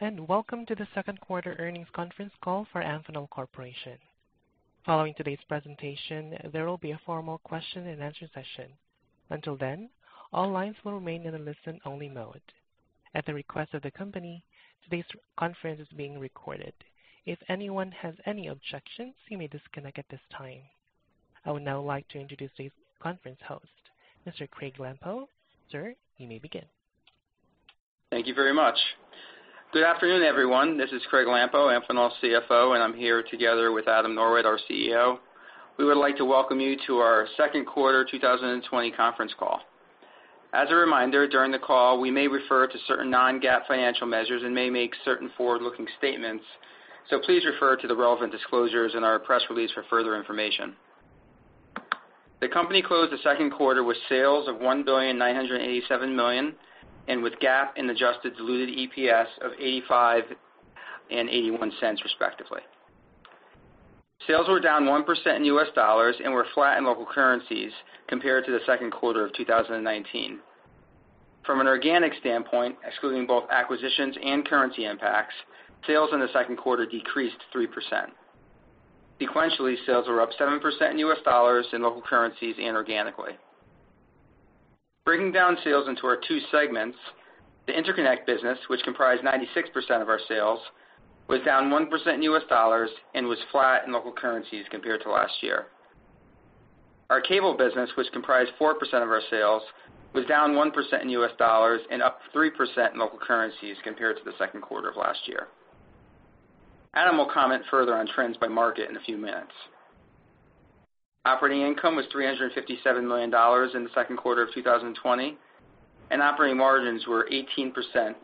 Hello, and welcome to the second quarter earnings conference call for Amphenol Corporation. Following today's presentation, there will be a formal question and answer session. Until then, all lines will remain in a listen-only mode. At the request of the company, today's conference is being recorded. If anyone has any objections, you may disconnect at this time. I would now like to introduce today's conference host, Mr. Craig Lampo. Sir, you may begin. Thank you very much. Good afternoon, everyone. This is Craig Lampo, Amphenol's CFO, and I'm here together with Adam Norwitt, our CEO. We would like to welcome you to our second quarter 2020 conference call. As a reminder, during the call, we may refer to certain non-GAAP financial measures and may make certain forward-looking statements, so please refer to the relevant disclosures in our press release for further information. The company closed the second quarter with sales of $1,987,000,000 and with GAAP and adjusted diluted EPS of $0.85 and $0.81 respectively. Sales were down 1% in US dollars and were flat in local currencies compared to the second quarter of 2019. From an organic standpoint, excluding both acquisitions and currency impacts, sales in the second quarter decreased 3%. Sequentially, sales were up 7% in US dollars, in local currencies, and organically. Breaking down sales into our two segments, the interconnect business, which comprised 96% of our sales, was down 1% in US dollars and was flat in local currencies compared to last year. Our cable business, which comprised 4% of our sales, was down 1% in US dollars and up 3% in local currencies compared to the second quarter of last year. Adam will comment further on trends by market in a few minutes. Operating income was $357 million in the second quarter of 2020, and operating margins were 18%,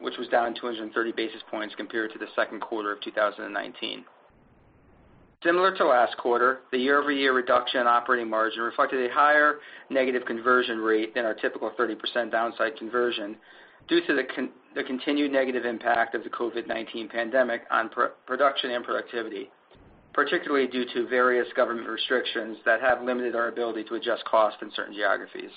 which was down 230 basis points compared to the second quarter of 2019. Similar to last quarter, the year-over-year reduction in operating margin reflected a higher negative conversion rate than our typical 30% downside conversion due to the continued negative impact of the COVID-19 pandemic on production and productivity, particularly due to various government restrictions that have limited our ability to adjust cost in certain geographies.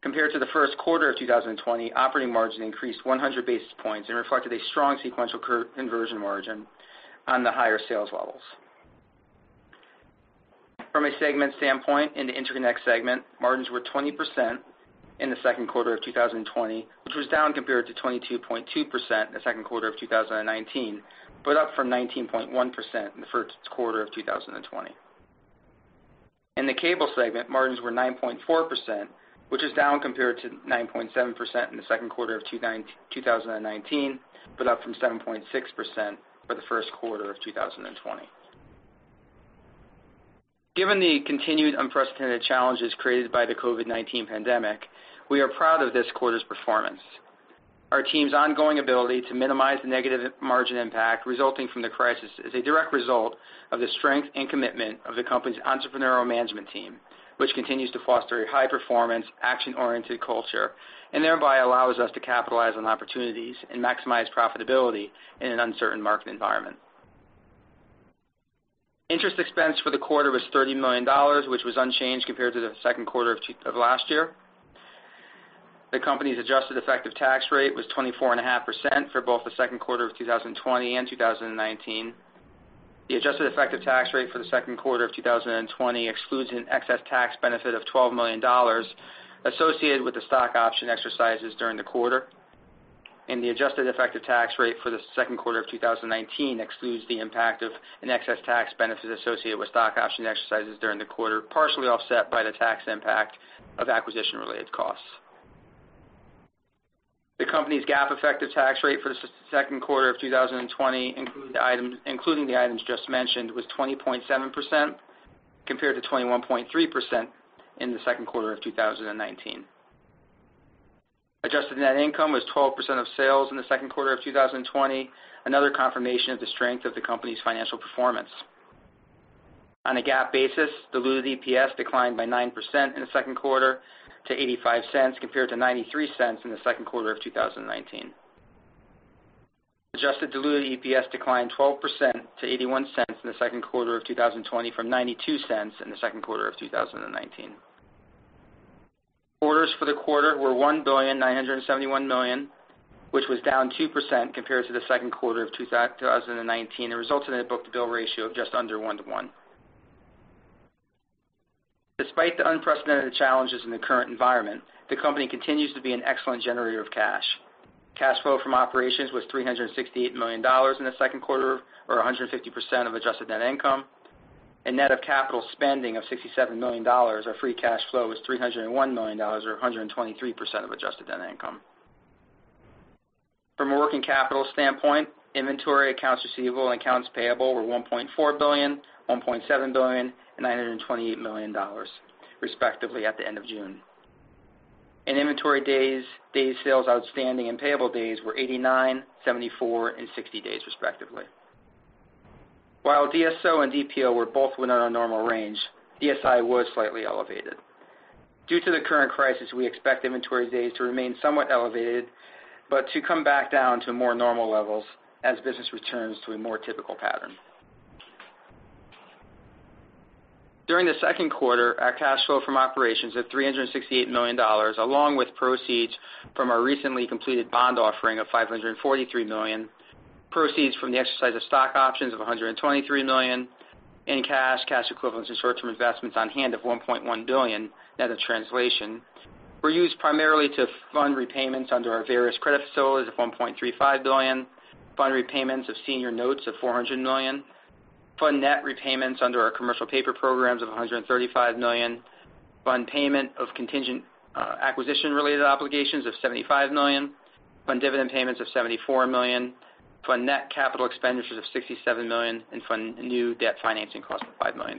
Compared to the first quarter of 2020, operating margin increased 100 basis points and reflected a strong sequential conversion margin on the higher sales levels. From a segment standpoint, in the interconnect segment, margins were 20% in the second quarter of 2020, which was down compared to 22.2% in the second quarter of 2019, but up from 19.1% in the first quarter of 2020. In the cable segment, margins were 9.4%, which is down compared to 9.7% in the second quarter of 2019, but up from 7.6% for the first quarter of 2020. Given the continued unprecedented challenges created by the COVID-19 pandemic, we are proud of this quarter's performance. Our team's ongoing ability to minimize the negative margin impact resulting from the crisis is a direct result of the strength and commitment of the company's entrepreneurial management team, which continues to foster a high-performance, action-oriented culture, and thereby allows us to capitalize on opportunities and maximize profitability in an uncertain market environment. Interest expense for the quarter was $30 million, which was unchanged compared to the second quarter of last year. The company's adjusted effective tax rate was 24.5% for both the second quarter of 2020 and 2019. The adjusted effective tax rate for the second quarter of 2020 excludes an excess tax benefit of $12 million associated with the stock option exercises during the quarter, and the adjusted effective tax rate for the second quarter of 2019 excludes the impact of an excess tax benefit associated with stock option exercises during the quarter, partially offset by the tax impact of acquisition-related costs. The company's GAAP effective tax rate for the second quarter of 2020, including the items just mentioned, was 20.7%, compared to 21.3% in the second quarter of 2019. Adjusted net income was 12% of sales in the second quarter of 2020, another confirmation of the strength of the company's financial performance. On a GAAP basis, diluted EPS declined by 9% in the second quarter to $0.85, compared to $0.93 in the second quarter of 2019. Adjusted diluted EPS declined 12% to $0.81 in the second quarter of 2020 from $0.92 in the second quarter of 2019. Orders for the quarter were $1,971,000,000, which was down 2% compared to the second quarter of 2019. It results in a book-to-bill ratio of just under one to one. Despite the unprecedented challenges in the current environment, the company continues to be an excellent generator of cash. Cash flow from operations was $368 million in the second quarter, or 150% of adjusted net income, and net of capital spending of $67 million, our free cash flow was $301 million, or 123% of adjusted net income. From a working capital standpoint, inventory, accounts receivable, and accounts payable were $1.4 billion, $1.7 billion, and $928 million respectively at the end of June. Inventory days sales outstanding, and payable days were 89, 74, and 60 days respectively. While DSO and DPO were both within our normal range, DSI was slightly elevated. Due to the current crisis, we expect inventory days to remain somewhat elevated but to come back down to more normal levels as business returns to a more typical pattern. During the second quarter, our cash flow from operations of $368 million, along with proceeds from our recently completed bond offering of $543 million, proceeds from the exercise of stock options of $123 million, and cash equivalents, and short-term investments on hand of $1.1 billion net of translation, were used primarily to fund repayments under our various credit facilities of $1.35 billion, fund repayments of senior notes of $400 million, fund net repayments under our commercial paper programs of $135 million, fund payment of contingent acquisition-related obligations of $75 million, fund dividend payments of $74 million, fund net capital expenditures of $67 million, and fund new debt financing costs of $5 million.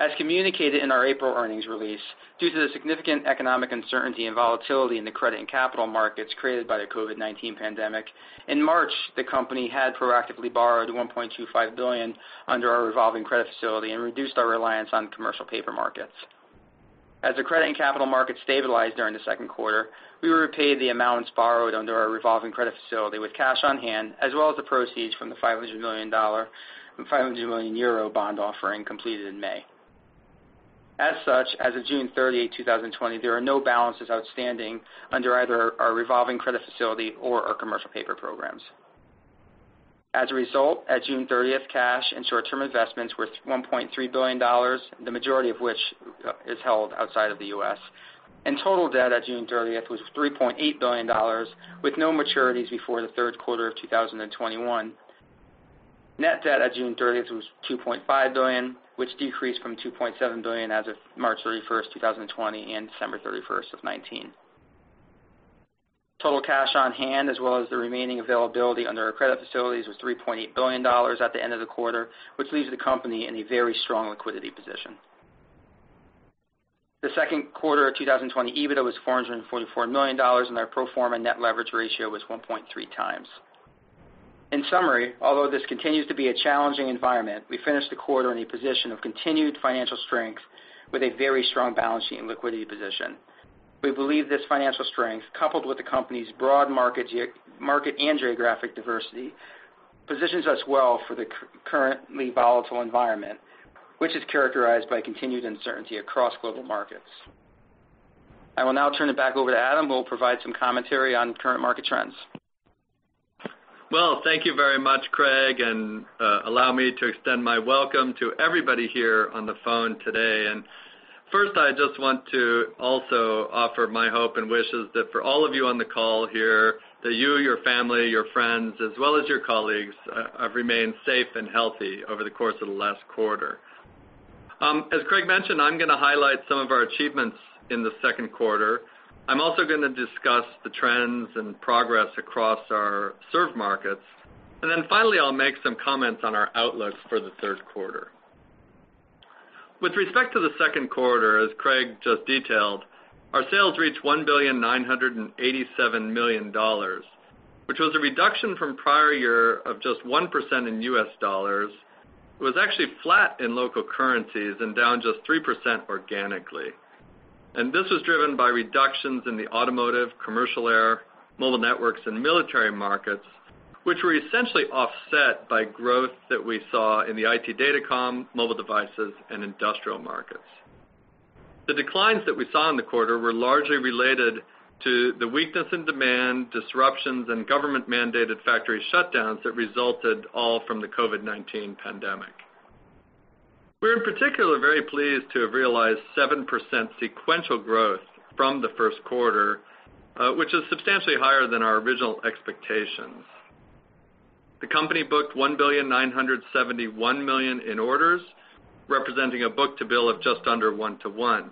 As communicated in our April earnings release, due to the significant economic uncertainty and volatility in the credit and capital markets created by the COVID-19 pandemic, in March, the company had proactively borrowed $1.25 billion under our revolving credit facility and reduced our reliance on commercial paper markets. As the credit and capital markets stabilized during the second quarter, we repaid the amounts borrowed under our revolving credit facility with cash on hand, as well as the proceeds from the $500 million and 500 million euro bond offering completed in May. As such, as of June 30, 2020, there are no balances outstanding under either our revolving credit facility or our commercial paper programs. As a result, as of June 30th, cash and short-term investments were at $1.3 billion, the majority of which is held outside of the U.S. Total debt at June 30th was $3.8 billion, with no maturities before the third quarter of 2021. Net debt at June 30th was $2.5 billion, which decreased from $2.7 billion as of March 31st, 2020, and December 31st, 2019. Total cash on hand, as well as the remaining availability under our credit facilities, was $3.8 billion at the end of the quarter, which leaves the company in a very strong liquidity position. The second quarter of 2020 EBITDA was $444 million, and our pro forma net leverage ratio was 1.3 times. In summary, although this continues to be a challenging environment, we finished the quarter in a position of continued financial strength with a very strong balance sheet and liquidity position. We believe this financial strength, coupled with the company's broad market and geographic diversity, positions us well for the currently volatile environment, which is characterized by continued uncertainty across global markets. I will now turn it back over to Adam Norwitt, who will provide some commentary on current market trends. Well, thank you very much, Craig. Allow me to extend my welcome to everybody here on the phone today. First I just want to also offer my hope and wishes that for all of you on the call here, that you, your family, your friends, as well as your colleagues, have remained safe and healthy over the course of the last quarter. As Craig mentioned, I'm going to highlight some of our achievements in the second quarter. I'm also going to discuss the trends and progress across our served markets. Finally, I'll make some comments on our outlook for the third quarter. With respect to the second quarter, as Craig just detailed, our sales reached $1,987,000,000, which was a reduction from prior year of just 1% in U.S. dollars. It was actually flat in local currencies and down just 3% organically. This was driven by reductions in the automotive, commercial air, mobile networks, and military markets, which were essentially offset by growth that we saw in the IT datacom, mobile devices, and industrial markets. The declines that we saw in the quarter were largely related to the weakness in demand, disruptions, and government-mandated factory shutdowns that resulted all from the COVID-19 pandemic. We're in particular very pleased to have realized 7% sequential growth from the first quarter, which is substantially higher than our original expectations. The company booked $1.971 billion in orders, representing a book-to-bill of just under one to one.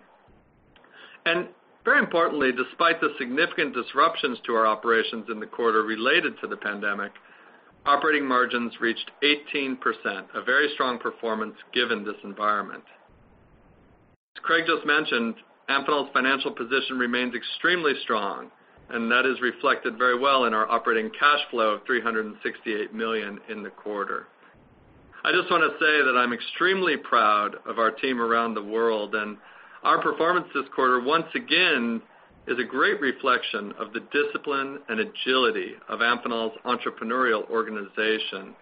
Very importantly, despite the significant disruptions to our operations in the quarter related to the pandemic, operating margins reached 18%, a very strong performance given this environment. As Craig just mentioned, Amphenol's financial position remains extremely strong, and that is reflected very well in our operating cash flow of $368 million in the quarter. I just want to say that I'm extremely proud of our team around the world, and our performance this quarter, once again, is a great reflection of the discipline and agility of Amphenol's entrepreneurial organization,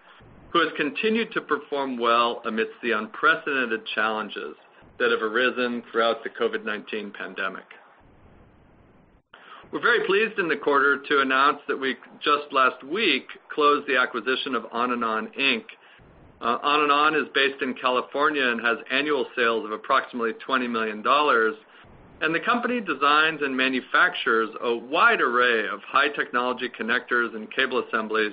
who has continued to perform well amidst the unprecedented challenges that have arisen throughout the COVID-19 pandemic. We're very pleased in the quarter to announce that we just last week closed the acquisition of Onanon, Inc. Onanon is based in California and has annual sales of approximately $20 million, and the company designs and manufactures a wide array of high-technology connectors and cable assemblies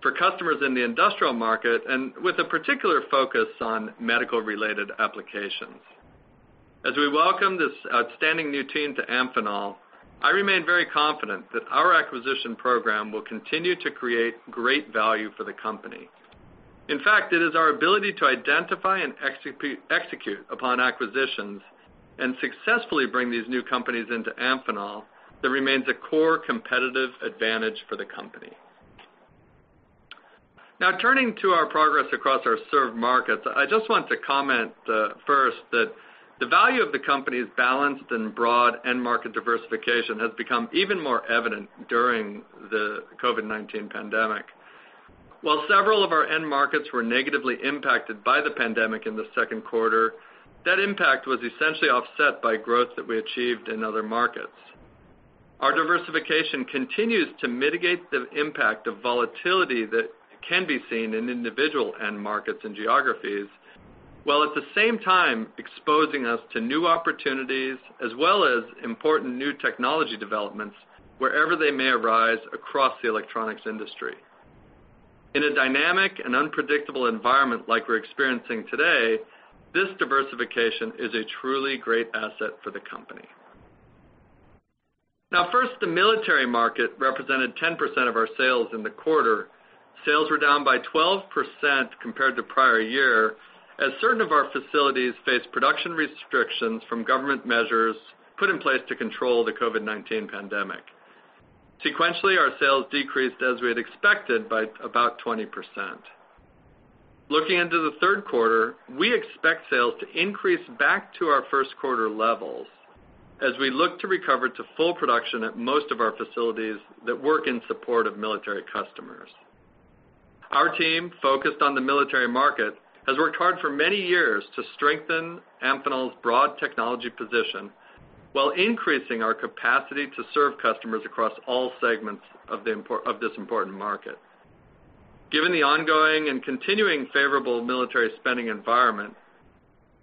for customers in the industrial market and with a particular focus on medical-related applications. As we welcome this outstanding new team to Amphenol, I remain very confident that our acquisition program will continue to create great value for the company. In fact, it is our ability to identify and execute upon acquisitions and successfully bring these new companies into Amphenol that remains a core competitive advantage for the company. Turning to our progress across our served markets, I just want to comment first that the value of the company's balanced and broad end market diversification has become even more evident during the COVID-19 pandemic. While several of our end markets were negatively impacted by the pandemic in the second quarter, that impact was essentially offset by growth that we achieved in other markets. Our diversification continues to mitigate the impact of volatility that can be seen in individual end markets and geographies, while at the same time exposing us to new opportunities as well as important new technology developments wherever they may arise across the electronics industry. In a dynamic and unpredictable environment like we're experiencing today, this diversification is a truly great asset for the company. Now first, the military market represented 10% of our sales in the quarter. Sales were down by 12% compared to prior year, as certain of our facilities faced production restrictions from government measures put in place to control the COVID-19 pandemic. Sequentially, our sales decreased as we had expected by about 20%. Looking into the third quarter, we expect sales to increase back to our first quarter levels as we look to recover to full production at most of our facilities that work in support of military customers. Our team, focused on the military market, has worked hard for many years to strengthen Amphenol's broad technology position while increasing our capacity to serve customers across all segments of this important market. Given the ongoing and continuing favorable military spending environment,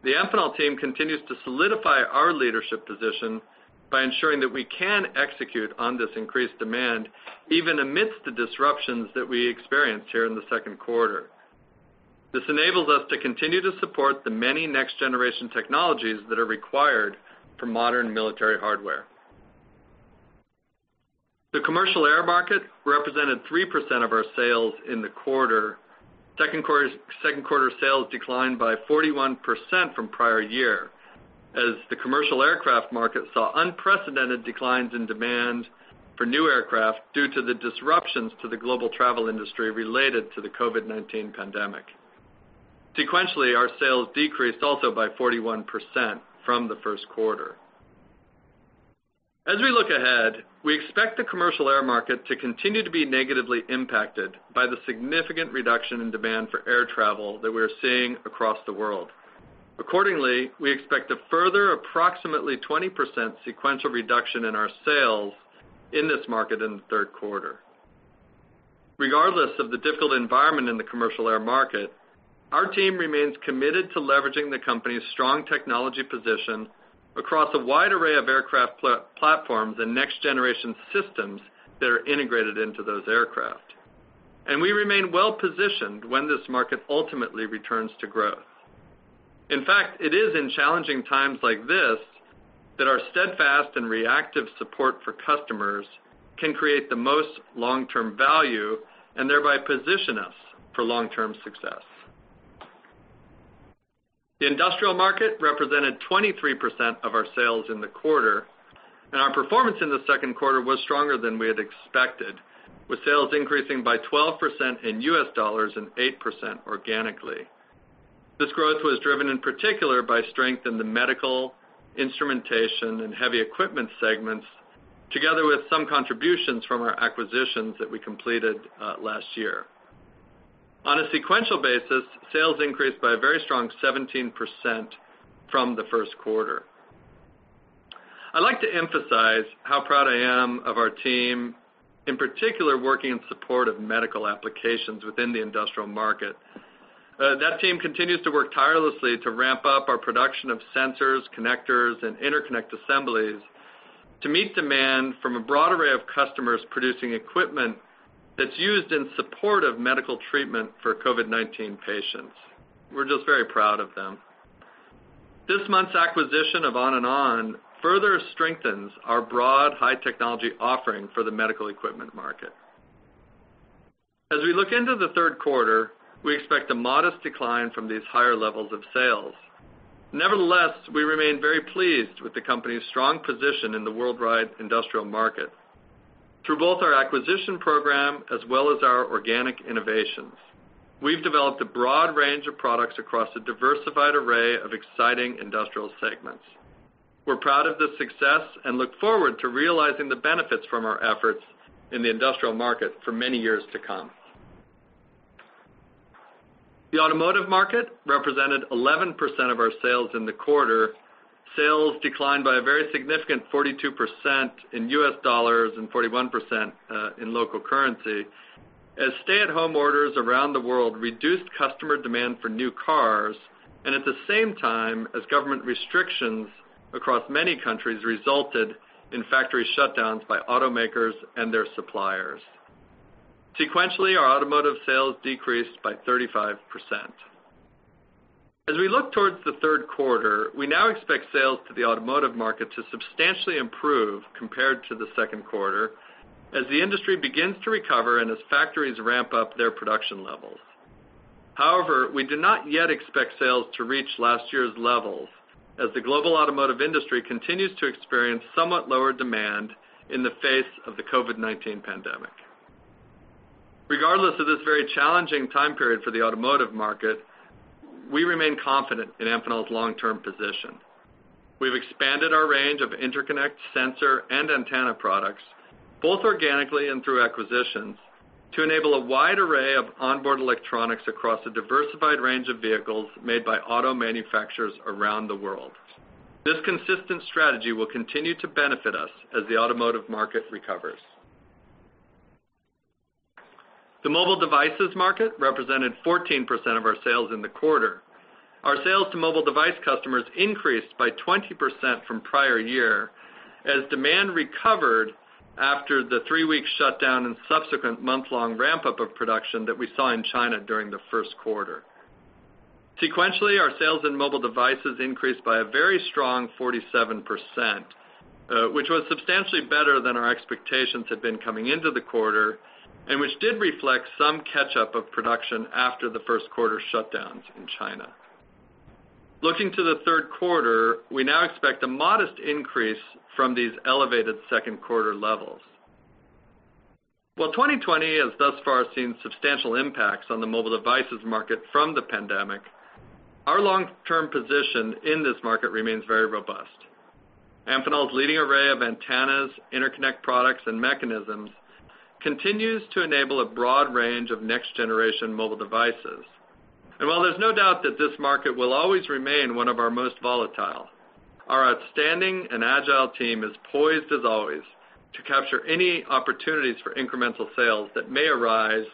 the Amphenol team continues to solidify our leadership position by ensuring that we can execute on this increased demand even amidst the disruptions that we experienced here in the second quarter. This enables us to continue to support the many next-generation technologies that are required for modern military hardware. The commercial air market represented 3% of our sales in the quarter. Second quarter sales declined by 41% from prior year, as the commercial aircraft market saw unprecedented declines in demand for new aircraft due to the disruptions to the global travel industry related to the COVID-19 pandemic. Sequentially, our sales decreased also by 41% from the first quarter. We look ahead, we expect the commercial air market to continue to be negatively impacted by the significant reduction in demand for air travel that we're seeing across the world. Accordingly, we expect a further approximately 20% sequential reduction in our sales in this market in the third quarter. Regardless of the difficult environment in the commercial air market, our team remains committed to leveraging the company's strong technology position across a wide array of aircraft platforms and next-generation systems that are integrated into those aircraft. We remain well-positioned when this market ultimately returns to growth. In fact, it is in challenging times like this that our steadfast and reactive support for customers can create the most long-term value, and thereby position us for long-term success. The industrial market represented 23% of our sales in the quarter, and our performance in the second quarter was stronger than we had expected, with sales increasing by 12% in U.S. dollars and 8% organically. This growth was driven in particular by strength in the medical, instrumentation, and heavy equipment segments, together with some contributions from our acquisitions that we completed last year. On a sequential basis, sales increased by a very strong 17% from the first quarter. I'd like to emphasize how proud I am of our team, in particular, working in support of medical applications within the industrial market. That team continues to work tirelessly to ramp up our production of sensors, connectors, and interconnect assemblies to meet demand from a broad array of customers producing equipment that's used in support of medical treatment for COVID-19 patients. We're just very proud of them. This month's acquisition of Onanon further strengthens our broad high-technology offering for the medical equipment market. As we look into the third quarter, we expect a modest decline from these higher levels of sales. Nevertheless, we remain very pleased with the company's strong position in the worldwide industrial market. Through both our acquisition program as well as our organic innovations, we've developed a broad range of products across a diversified array of exciting industrial segments. We're proud of this success and look forward to realizing the benefits from our efforts in the industrial market for many years to come. The automotive market represented 11% of our sales in the quarter. Sales declined by a very significant 42% in U.S. dollars and 41% in local currency as stay-at-home orders around the world reduced customer demand for new cars, and at the same time as government restrictions across many countries resulted in factory shutdowns by automakers and their suppliers. Sequentially, our automotive sales decreased by 35%. As we look towards the third quarter, we now expect sales to the automotive market to substantially improve compared to the second quarter as the industry begins to recover and as factories ramp up their production levels. However, we do not yet expect sales to reach last year's levels, as the global automotive industry continues to experience somewhat lower demand in the face of the COVID-19 pandemic. Regardless of this very challenging time period for the automotive market, we remain confident in Amphenol's long-term position. We've expanded our range of interconnect, sensor, and antenna products, both organically and through acquisitions, to enable a wide array of onboard electronics across a diversified range of vehicles made by auto manufacturers around the world. This consistent strategy will continue to benefit us as the automotive market recovers. The mobile devices market represented 14% of our sales in the quarter. Our sales to mobile device customers increased by 20% from prior year as demand recovered after the three-week shutdown and subsequent month-long ramp-up of production that we saw in China during the first quarter. Sequentially, our sales in mobile devices increased by a very strong 47%, which was substantially better than our expectations had been coming into the quarter, and which did reflect some catch-up of production after the first quarter shutdowns in China. Looking to the third quarter, we now expect a modest increase from these elevated second quarter levels. While 2020 has thus far seen substantial impacts on the mobile devices market from the pandemic, our long-term position in this market remains very robust. Amphenol's leading array of antennas, interconnect products, and mechanisms continues to enable a broad range of next-generation mobile devices. While there's no doubt that this market will always remain one of our most volatile, our outstanding and agile team is poised as always to capture any opportunities for incremental sales that may arise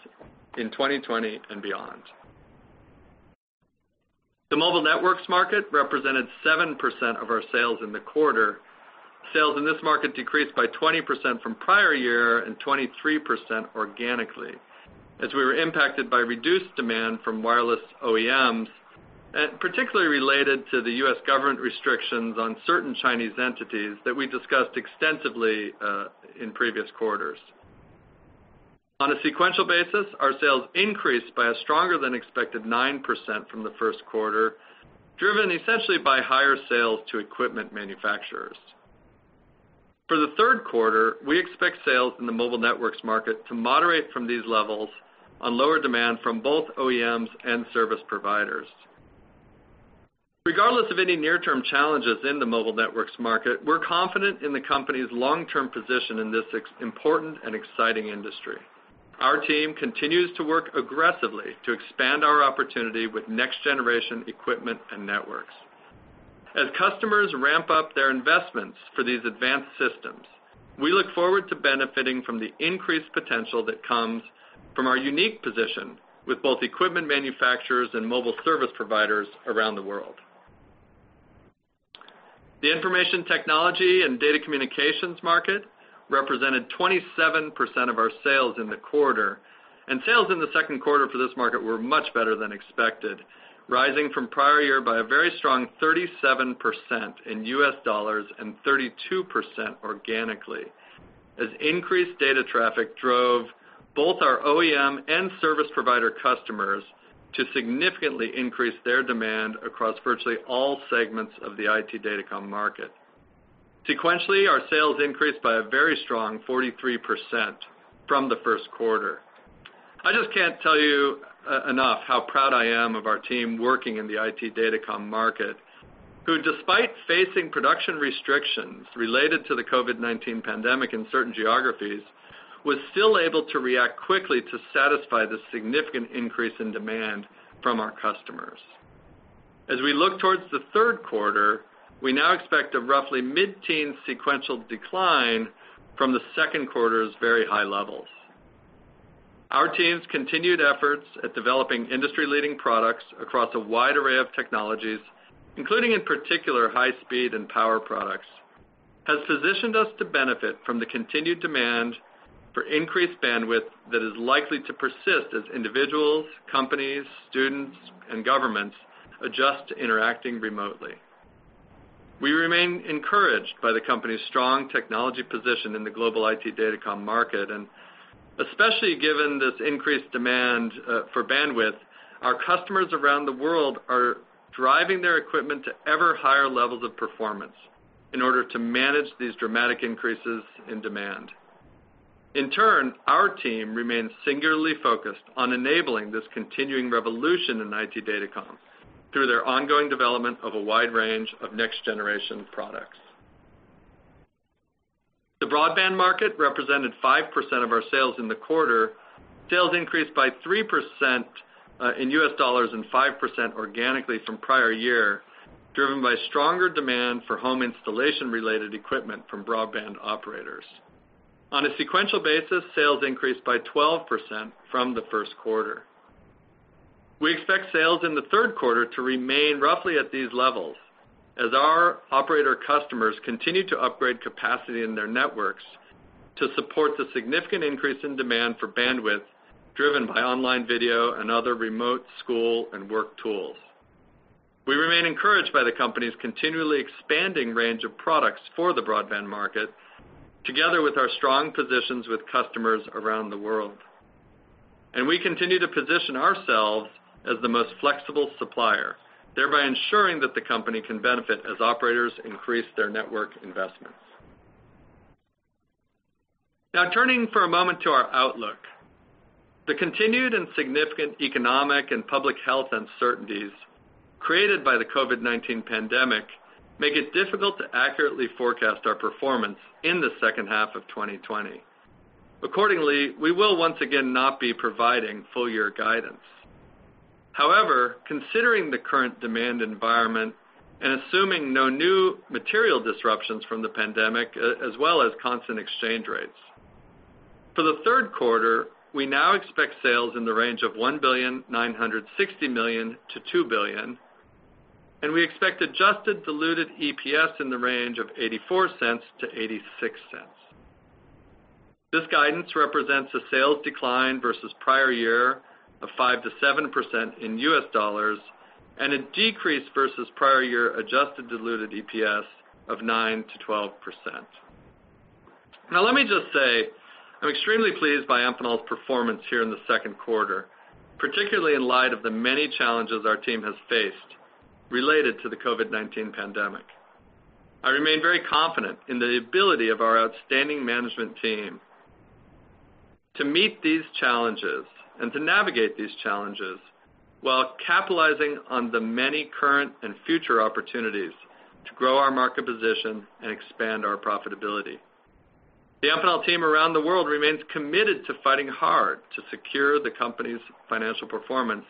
in 2020 and beyond. The mobile networks market represented 7% of our sales in the quarter. Sales in this market decreased by 20% from prior year and 23% organically as we were impacted by reduced demand from wireless OEMs, particularly related to the U.S. government restrictions on certain Chinese entities that we discussed extensively in previous quarters. On a sequential basis, our sales increased by a stronger than expected 9% from the first quarter, driven essentially by higher sales to equipment manufacturers. For the third quarter, we expect sales in the mobile networks market to moderate from these levels on lower demand from both OEMs and service providers. Regardless of any near-term challenges in the mobile networks market, we're confident in the company's long-term position in this important and exciting industry. Our team continues to work aggressively to expand our opportunity with next-generation equipment and networks. As customers ramp up their investments for these advanced systems, we look forward to benefiting from the increased potential that comes from our unique position with both equipment manufacturers and mobile service providers around the world. The information technology and data communications market represented 27% of our sales in the quarter, and sales in the second quarter for this market were much better than expected, rising from prior year by a very strong 37% in USD and 32% organically as increased data traffic drove both our OEM and service provider customers to significantly increase their demand across virtually all segments of the IT datacom market. Sequentially, our sales increased by a very strong 43% from the first quarter. I just can't tell you enough how proud I am of our team working in the IT datacom market, who despite facing production restrictions related to the COVID-19 pandemic in certain geographies, was still able to react quickly to satisfy the significant increase in demand from our customers. As we look towards the third quarter, we now expect a roughly mid-teen sequential decline from the second quarter's very high levels. Our team's continued efforts at developing industry-leading products across a wide array of technologies, including in particular high speed and power products, has positioned us to benefit from the continued demand for increased bandwidth that is likely to persist as individuals, companies, students, and governments adjust to interacting remotely. We remain encouraged by the company's strong technology position in the global IT datacom market, and especially given this increased demand for bandwidth, our customers around the world are driving their equipment to ever higher levels of performance in order to manage these dramatic increases in demand. In turn, our team remains singularly focused on enabling this continuing revolution in IT datacom through their ongoing development of a wide range of next-generation products. The broadband market represented 5% of our sales in the quarter. Sales increased by 3% in U.S. dollars and 5% organically from prior year, driven by stronger demand for home installation-related equipment from broadband operators. On a sequential basis, sales increased by 12% from the first quarter. We expect sales in the third quarter to remain roughly at these levels as our operator customers continue to upgrade capacity in their networks to support the significant increase in demand for bandwidth driven by online video and other remote school and work tools. We remain encouraged by the company's continually expanding range of products for the broadband market, together with our strong positions with customers around the world. We continue to position ourselves as the most flexible supplier, thereby ensuring that the company can benefit as operators increase their network investments. Now turning for a moment to our outlook. The continued and significant economic and public health uncertainties created by the COVID-19 pandemic make it difficult to accurately forecast our performance in the second half of 2020. Accordingly, we will once again not be providing full year guidance. However, considering the current demand environment and assuming no new material disruptions from the pandemic, as well as constant exchange rates. For the third quarter, we now expect sales in the range of $1 billion, $960 million to $2 billion, and we expect adjusted diluted EPS in the range of $0.84 to $0.86. This guidance represents a sales decline versus prior year of 5%-7% in U.S. dollars, and a decrease versus prior year adjusted diluted EPS of 9%-12%. Let me just say, I'm extremely pleased by Amphenol's performance here in the second quarter, particularly in light of the many challenges our team has faced related to the COVID-19 pandemic. I remain very confident in the ability of our outstanding management team to meet these challenges and to navigate these challenges while capitalizing on the many current and future opportunities to grow our market position and expand our profitability. The Amphenol team around the world remains committed to fighting hard to secure the company's financial performance,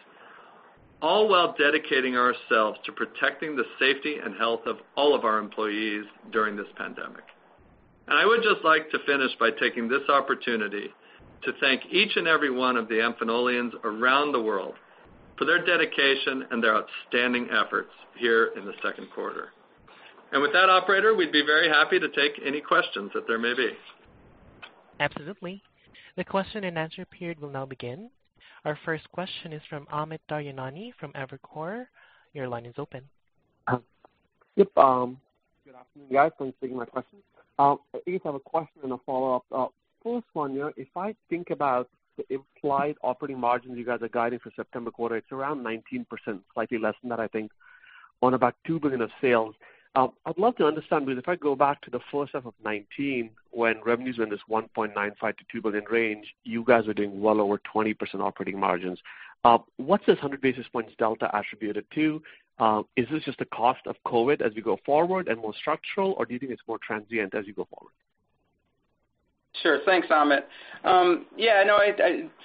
all while dedicating ourselves to protecting the safety and health of all of our employees during this pandemic. I would just like to finish by taking this opportunity to thank each and every one of the Amphenolians around the world for their dedication and their outstanding efforts here in the second quarter. With that operator, we'd be very happy to take any questions that there may be. Absolutely. The question and answer period will now begin. Our first question is from Amit Daryanani from Evercore. Your line is open. Yep. Good afternoon, guys. Thanks for taking my questions. I guess I have a question and a follow-up. First one, if I think about the implied operating margins you guys are guiding for September quarter, it's around 19%, slightly less than that, I think, on about $2 billion of sales. I'd love to understand, because if I go back to the first half of 2019 when revenues were in this $1.95 billion-$2 billion range, you guys are doing well over 20% operating margins. What's this 100 basis points delta attributed to? Is this just a cost of COVID as we go forward and more structural, or do you think it's more transient as you go forward? Sure. Thanks, Amit. Yeah, no,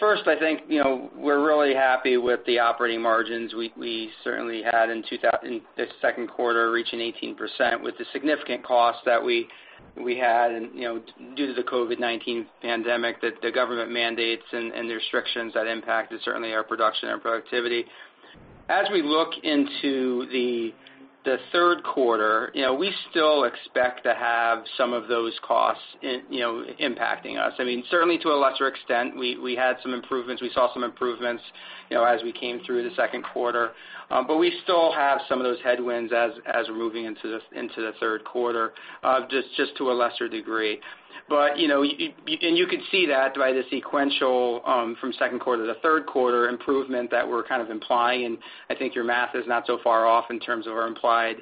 first I think, we're really happy with the operating margins we certainly had in the second quarter, reaching 18% with the significant cost that we had, due to the COVID-19 pandemic, the government mandates and the restrictions that impacted certainly our production and productivity. As we look into the third quarter, we still expect to have some of those costs impacting us, certainly to a lesser extent. We had some improvements. We saw some improvements as we came through the second quarter. We still have some of those headwinds as we're moving into the third quarter, just to a lesser degree. You could see that by the sequential, from second quarter to the third quarter improvement that we're kind of implying. I think your math is not so far off in terms of our implied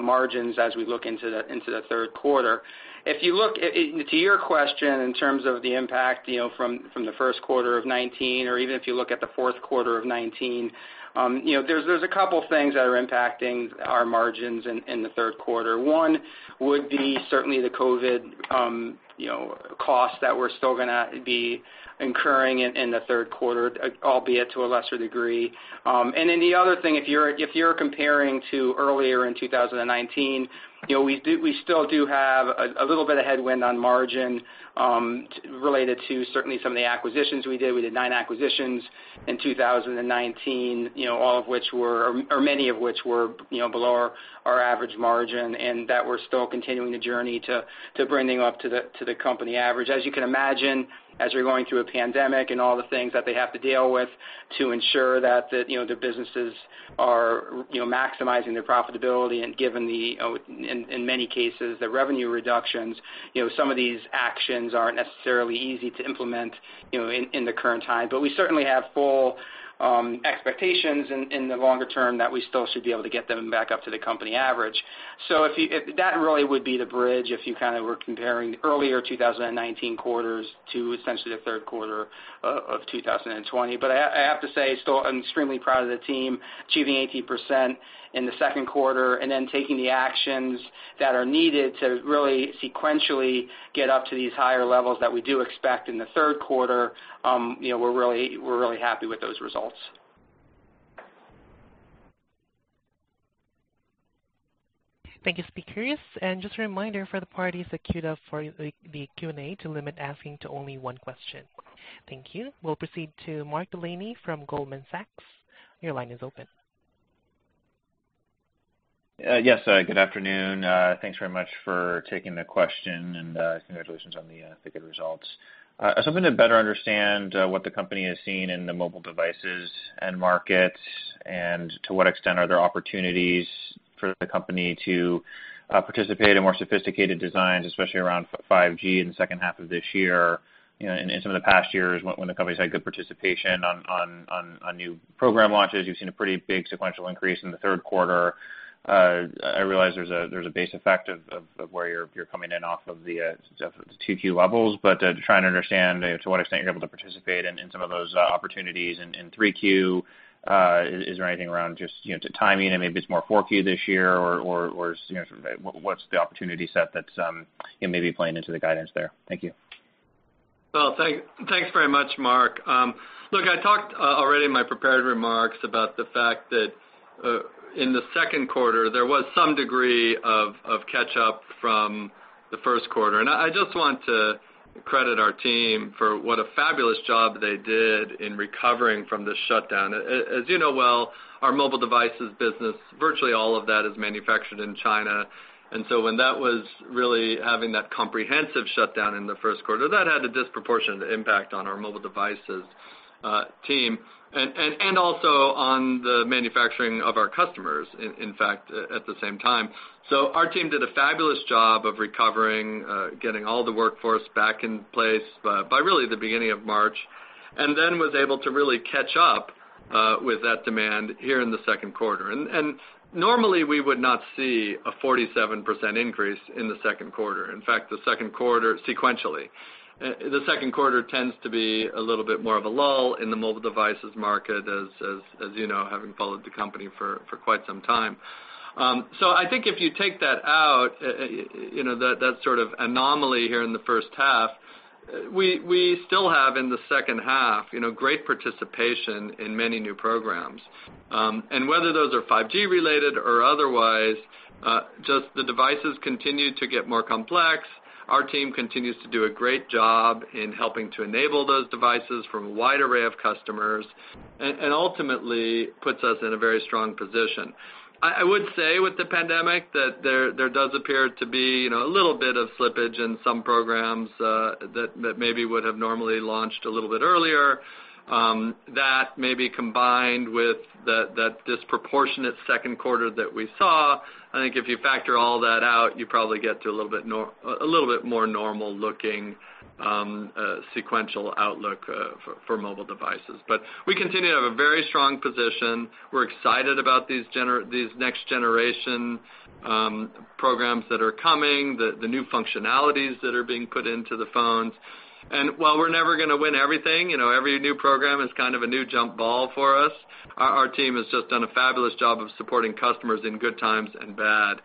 margins as we look into the third quarter. To your question in terms of the impact from the first quarter of 2019, or even if you look at the fourth quarter of 2019, there's a couple of things that are impacting our margins in the third quarter. One would be certainly the COVID costs that we're still going to be incurring in the third quarter, albeit to a lesser degree. The other thing, if you're comparing to earlier in 2019, we still do have a little bit of headwind on margin related to certainly some of the acquisitions we did. We did nine acquisitions in 2019, many of which were below our average margin, and that we're still continuing the journey to bringing them up to the company average. As you can imagine, as you're going through a pandemic and all the things that they have to deal with to ensure that the businesses are maximizing their profitability and given the, in many cases, the revenue reductions, some of these actions aren't necessarily easy to implement in the current time. We certainly have full expectations in the longer term that we still should be able to get them back up to the company average. That really would be the bridge if you were comparing earlier 2019 quarters to essentially the third quarter of 2020. I have to say, still, I'm extremely proud of the team achieving 18% in the second quarter and then taking the actions that are needed to really sequentially get up to these higher levels that we do expect in the third quarter. We're really happy with those results. Thank you, speakers. Just a reminder for the parties that queued up for the Q&A to limit asking to only one question. Thank you. We'll proceed to Mark Delaney from Goldman Sachs. Your line is open. Yes, good afternoon. Thanks very much for taking the question, and congratulations on the good results. I was hoping to better understand what the company has seen in the mobile devices and markets, and to what extent are there opportunities for the company to participate in more sophisticated designs, especially around 5G in the second half of this year. In some of the past years, when the company's had good participation on new program launches, you've seen a pretty big sequential increase in the third quarter. I realize there's a base effect of where you're coming in off of the 2Q levels. Just trying to understand to what extent you're able to participate in some of those opportunities in 3Q. Is there anything around just to timing, and maybe it's more 4Q this year, or what's the opportunity set that's maybe playing into the guidance there? Thank you. Well, thanks very much, Mark. Look, I talked already in my prepared remarks about the fact that in the second quarter, there was some degree of catch-up from the first quarter, and I just want to credit our team for what a fabulous job they did in recovering from this shutdown. As you know well, our mobile devices business, virtually all of that is manufactured in China. When that was really having that comprehensive shutdown in the first quarter, that had a disproportionate impact on our mobile devices team and also on the manufacturing of our customers, in fact, at the same time. Our team did a fabulous job of recovering, getting all the workforce back in place by really the beginning of March, and then was able to really catch up with that demand here in the second quarter. Normally, we would not see a 47% increase in the second quarter. In fact, the second quarter sequentially, the second quarter tends to be a little bit more of a lull in the mobile devices market, as you know, having followed the company for quite some time. I think if you take that out, that sort of anomaly here in the first half, we still have, in the second half, great participation in many new programs. Whether those are 5G related or otherwise, just the devices continue to get more complex. Our team continues to do a great job in helping to enable those devices from a wide array of customers, and ultimately puts us in a very strong position. I would say with the pandemic that there does appear to be a little bit of slippage in some programs that maybe would have normally launched a little bit earlier. That may be combined with that disproportionate second quarter that we saw. I think if you factor all that out, you probably get to a little bit more normal-looking sequential outlook for mobile devices. We continue to have a very strong position. We're excited about these next generation programs that are coming, the new functionalities that are being put into the phones. While we're never going to win everything, every new program is kind of a new jump ball for us. Our team has just done a fabulous job of supporting customers in good times and bad.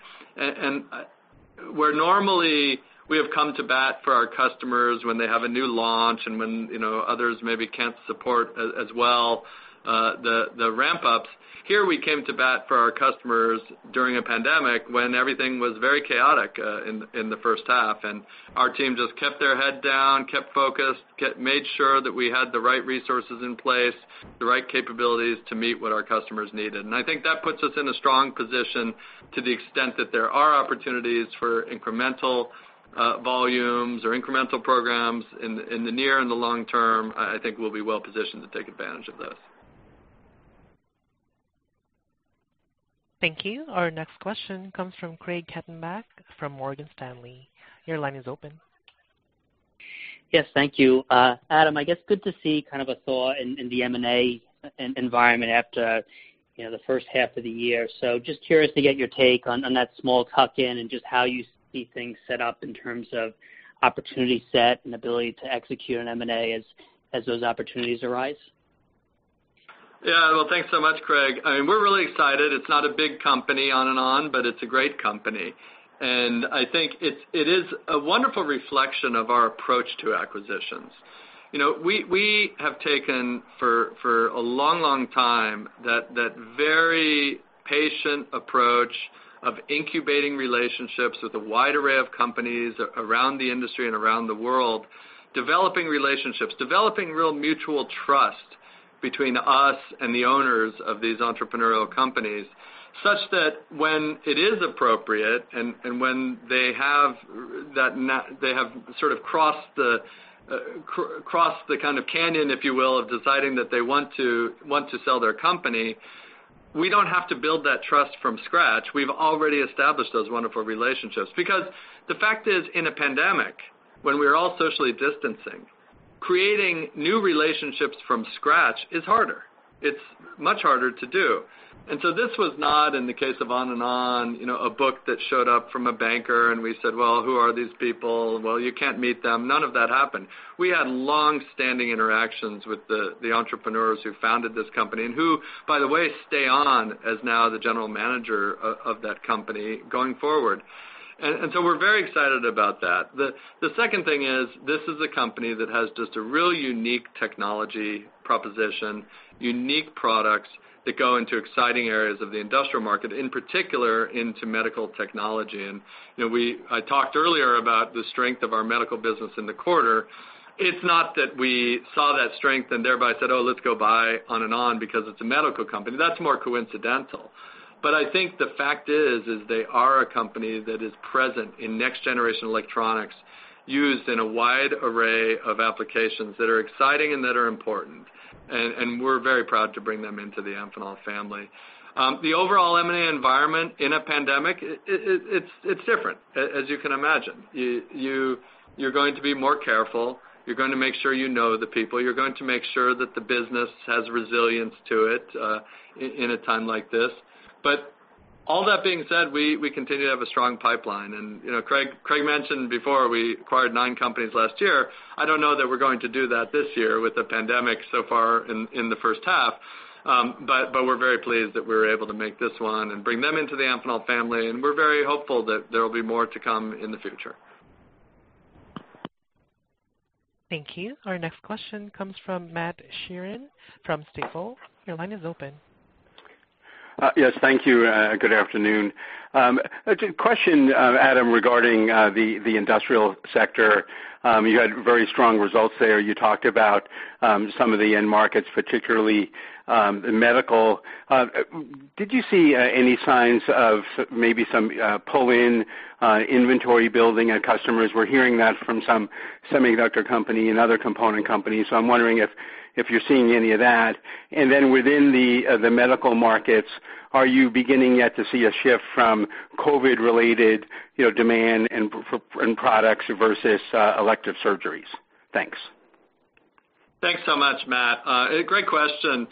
Where normally we have come to bat for our customers when they have a new launch and when others maybe can't support as well the ramp-ups, here we came to bat for our customers during a pandemic when everything was very chaotic in the first half, and our team just kept their head down, kept focused, made sure that we had the right resources in place, the right capabilities to meet what our customers needed. I think that puts us in a strong position to the extent that there are opportunities for incremental volumes or incremental programs in the near and the long term, I think we'll be well positioned to take advantage of those. Thank you. Our next question comes from Craig Hettenbach from Morgan Stanley. Your line is open. Yes. Thank you. Adam, I guess good to see kind of a thaw in the M&A environment after the first half of the year. Just curious to get your take on that small tuck-in and just how you see things set up in terms of opportunity set and ability to execute on M&A as those opportunities arise. Well, thanks so much, Craig. We're really excited. It's not a big company, Onanon, but it's a great company, and I think it is a wonderful reflection of our approach to acquisitions. We have taken, for a long time, that very patient approach of incubating relationships with a wide array of companies around the industry and around the world, developing relationships, developing real mutual trust between us and the owners of these entrepreneurial companies, such that when it is appropriate and when they have sort of crossed the kind of canyon, if you will, of deciding that they want to sell their company, we don't have to build that trust from scratch. We've already established those wonderful relationships. The fact is, in a pandemic, when we're all socially distancing, creating new relationships from scratch is harder. It's much harder to do. This was not, in the case of Onanon, a book that showed up from a banker and we said, "Well, who are these people? Well, you can't meet them." None of that happened. We had long-standing interactions with the entrepreneurs who founded this company and who, by the way, stay on as now the general manager of that company going forward. We're very excited about that. The second thing is, this is a company that has just a really unique technology proposition, unique products that go into exciting areas of the industrial market, in particular into medical technology. I talked earlier about the strength of our medical business in the quarter. It's not that we saw that strength and thereby said, "Oh, let's go buy Onanon because it's a medical company." That's more coincidental. I think the fact is they are a company that is present in next-generation electronics, used in a wide array of applications that are exciting and that are important, and we're very proud to bring them into the Amphenol family. The overall M&A environment in a pandemic, it's different, as you can imagine. You're going to be more careful. You're going to make sure you know the people. You're going to make sure that the business has resilience to it in a time like this. All that being said, we continue to have a strong pipeline. Craig mentioned before, we acquired nine companies last year. I don't know that we're going to do that this year with the pandemic so far in the first half. We're very pleased that we were able to make this one and bring them into the Amphenol family. We're very hopeful that there will be more to come in the future. Thank you. Our next question comes from Matthew Sheerin from Stifel. Your line is open. Yes, thank you. Good afternoon. A question, Adam, regarding the industrial sector. You had very strong results there. You talked about some of the end markets, particularly in medical. Did you see any signs of maybe some pull-in inventory building at customers? We're hearing that from some semiconductor company and other component companies. I'm wondering if you're seeing any of that. Within the medical markets, are you beginning yet to see a shift from COVID-related demand in products versus elective surgeries? Thanks. Thanks so much, Matt. Great question.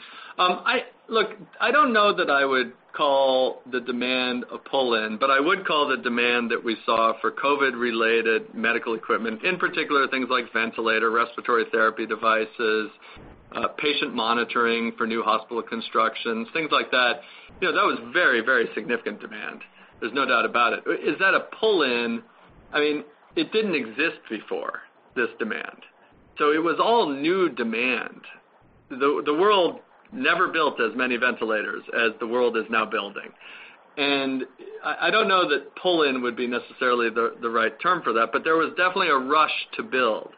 Look, I don't know that I would call the demand a pull-in, but I would call the demand that we saw for COVID-related medical equipment, in particular, things like ventilator, respiratory therapy devices, patient monitoring for new hospital constructions, things like that. That was very, very significant demand. There's no doubt about it. Is that a pull-in? It didn't exist before, this demand. It was all new demand. The world never built as many ventilators as the world is now building, and I don't know that pull-in would be necessarily the right term for that. There was definitely a rush to build.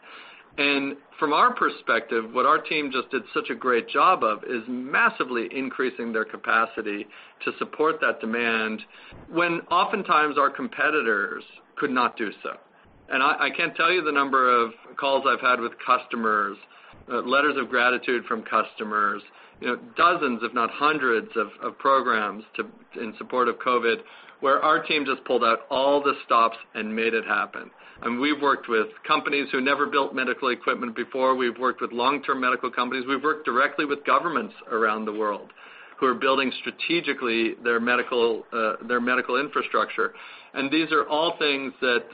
From our perspective, what our team just did such a great job of is massively increasing their capacity to support that demand, when oftentimes our competitors could not do so. I can't tell you the number of calls I've had with customers, letters of gratitude from customers, dozens if not hundreds of programs in support of COVID, where our team just pulled out all the stops and made it happen. We've worked with companies who never built medical equipment before. We've worked with long-term medical companies. We've worked directly with governments around the world who are building strategically their medical infrastructure. These are all things that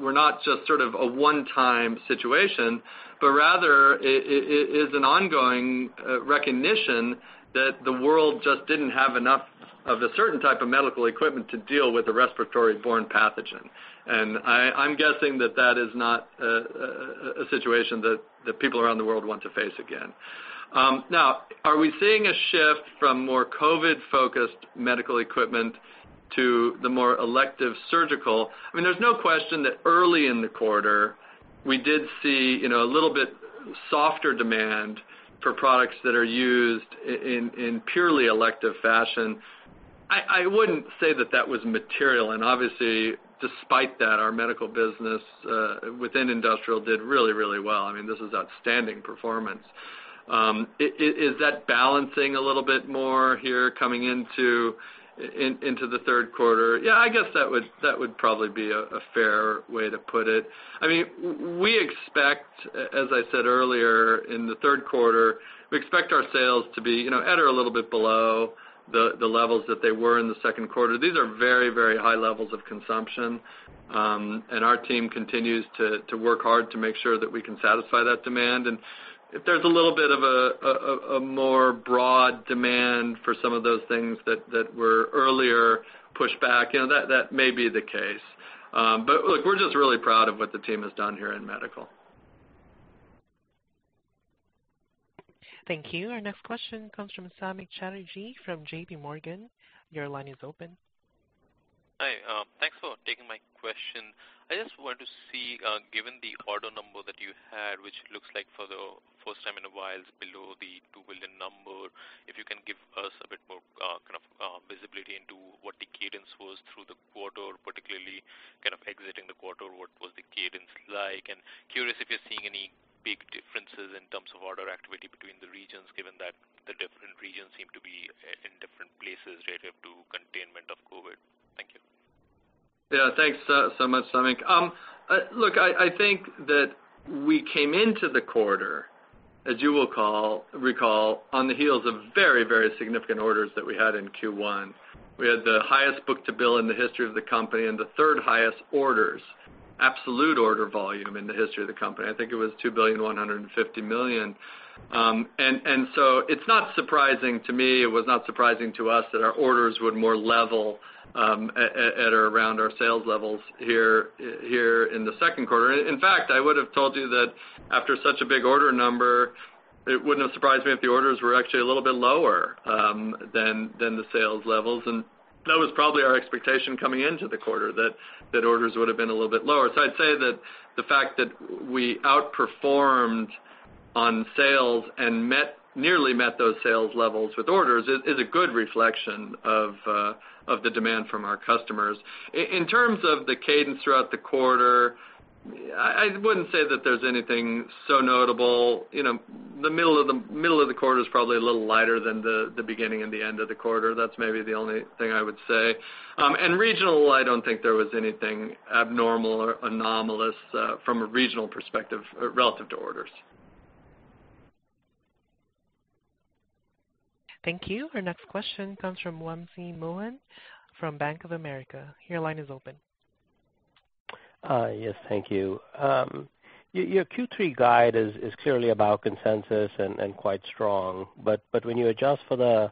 were not just sort of a one-time situation, but rather it is an ongoing recognition that the world just didn't have enough of a certain type of medical equipment to deal with a respiratory-borne pathogen. I'm guessing that that is not a situation that people around the world want to face again. Now, are we seeing a shift from more COVID-focused medical equipment to the more elective surgical? There's no question that early in the quarter, we did see a little bit softer demand for products that are used in purely elective fashion. I wouldn't say that that was material. Obviously, despite that, our medical business within industrial did really well. This was outstanding performance. Is that balancing a little bit more here coming into the third quarter? Yeah, I guess that would probably be a fair way to put it. We expect, as I said earlier, in the third quarter, we expect our sales to be at or a little bit below the levels that they were in the second quarter. These are very high levels of consumption. Our team continues to work hard to make sure that we can satisfy that demand. If there's a little bit of a more broad demand for some of those things that were earlier pushed back, that may be the case. Look, we're just really proud of what the team has done here in medical. Thank you. Our next question comes from Samik Chatterjee from J.P. Morgan. Your line is open. Hi, thanks for taking my question. I just want to see, given the order number that you had, which looks like for the first time in a while is below the $2 billion, if you can give us a bit more kind of visibility into what the cadence was through the quarter, particularly kind of exiting the quarter, what was the cadence like? Curious if you're seeing any big differences in terms of order activity between the regions, given that the different regions seem to be in different places relative to containment of COVID-19. Thank you. Yeah. Thanks so much, Samik. Look, I think that we came into the quarter, as you will recall, on the heels of very, very significant orders that we had in Q1. We had the highest book-to-bill in the history of the company and the third highest orders, absolute order volume in the history of the company. I think it was $2.15 billion. It's not surprising to me, it was not surprising to us that our orders would more level at or around our sales levels here in the second quarter. In fact, I would have told you that after such a big order number, it wouldn't have surprised me if the orders were actually a little bit lower than the sales levels. That was probably our expectation coming into the quarter, that orders would have been a little bit lower. I'd say that the fact that we outperformed on sales and nearly met those sales levels with orders is a good reflection of the demand from our customers. In terms of the cadence throughout the quarter, I wouldn't say that there's anything so notable. The middle of the quarter is probably a little lighter than the beginning and the end of the quarter. That's maybe the only thing I would say. Regional, I don't think there was anything abnormal or anomalous from a regional perspective relative to orders. Thank you. Our next question comes from Wamsi Mohan from Bank of America. Your line is open. Yes, thank you. Your Q3 guide is clearly about consensus and quite strong, when you adjust for the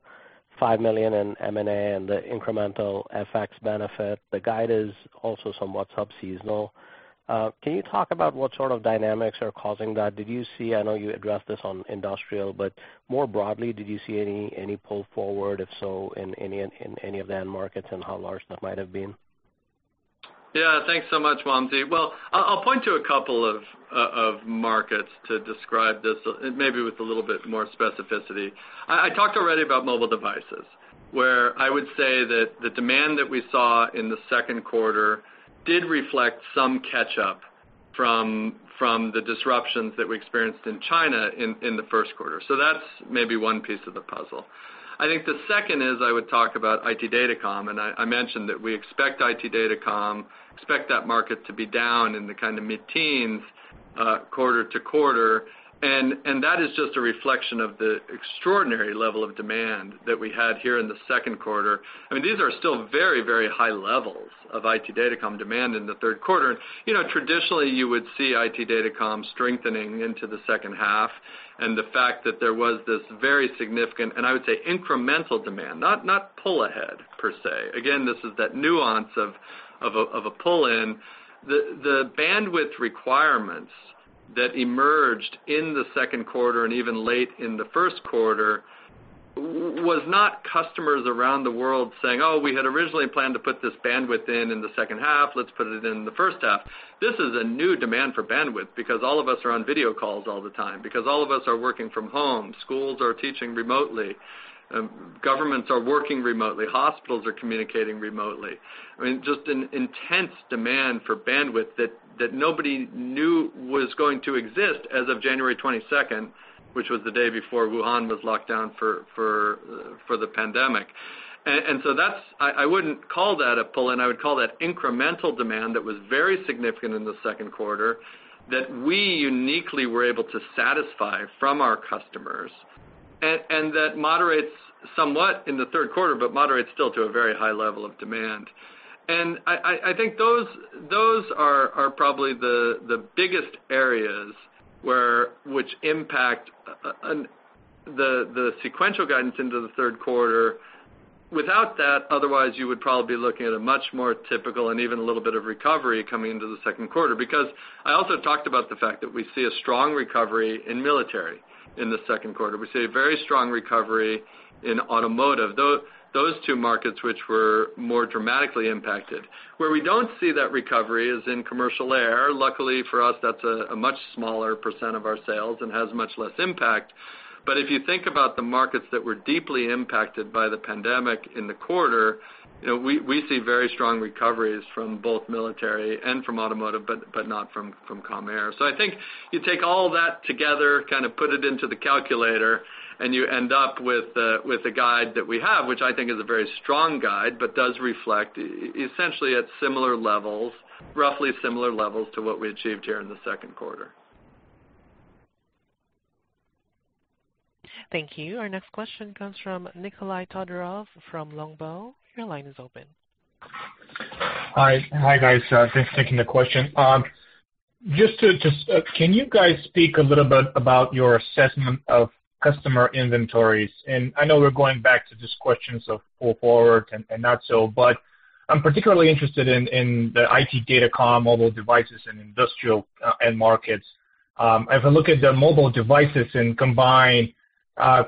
$5 million in M&A and the incremental FX benefit, the guide is also somewhat sub-seasonal. Can you talk about what sort of dynamics are causing that? Did you see, I know you addressed this on industrial, more broadly, did you see any pull forward? If so, in any of the end markets, and how large that might have been? Yeah. Thanks so much, Wamsi. Well, I'll point to a couple of markets to describe this, maybe with a little bit more specificity. I talked already about mobile devices, where I would say that the demand that we saw in the second quarter did reflect some catch-up from the disruptions that we experienced in China in the first quarter. That's maybe one piece of the puzzle. I think the second is I would talk about IT datacom, and I mentioned that we expect IT datacom, expect that market to be down in the kind of mid-teens quarter to quarter. That is just a reflection of the extraordinary level of demand that we had here in the second quarter. These are still very, very high levels of IT datacom demand in the third quarter. Traditionally, you would see IT datacom strengthening into the second half and the fact that there was this very significant, and I would say, incremental demand, not pull ahead per se. Again, this is that nuance of a pull-in. The bandwidth requirements that emerged in the second quarter and even late in the first quarter was not customers around the world saying, "Oh, we had originally planned to put this bandwidth in the second half. Let's put it in the first half." This is a new demand for bandwidth because all of us are on video calls all the time, because all of us are working from home. Schools are teaching remotely. Governments are working remotely. Hospitals are communicating remotely. Just an intense demand for bandwidth that nobody knew was going to exist as of January 22nd, which was the day before Wuhan was locked down for the pandemic. I wouldn't call that a pull-in. I would call that incremental demand that was very significant in the second quarter, that we uniquely were able to satisfy from our customers, and that moderates somewhat in the third quarter, but moderates still to a very high level of demand. I think those are probably the biggest areas which impact the sequential guidance into the third quarter. Without that, otherwise, you would probably be looking at a much more typical and even a little bit of recovery coming into the second quarter. I also talked about the fact that we see a strong recovery in military in the second quarter. We see a very strong recovery in automotive. Those two markets, which were more dramatically impacted. Where we don't see that recovery is in commercial air. Luckily for us, that's a much smaller % of our sales and has much less impact. If you think about the markets that were deeply impacted by the pandemic in the quarter, we see very strong recoveries from both military and from automotive, but not from comm air. I think you take all that together, kind of put it into the calculator, and you end up with the guide that we have, which I think is a very strong guide, but does reflect essentially at similar levels, roughly similar levels to what we achieved here in the second quarter. Thank you. Our next question comes from Nikolay Todorov from Longbow. Your line is open. Hi, guys. Thanks for taking the question. Can you guys speak a little bit about your assessment of customer inventories? I know we're going back to these questions of pull forward and not so, but I'm particularly interested in the IT datacom mobile devices and industrial end markets. As I look at the mobile devices and combine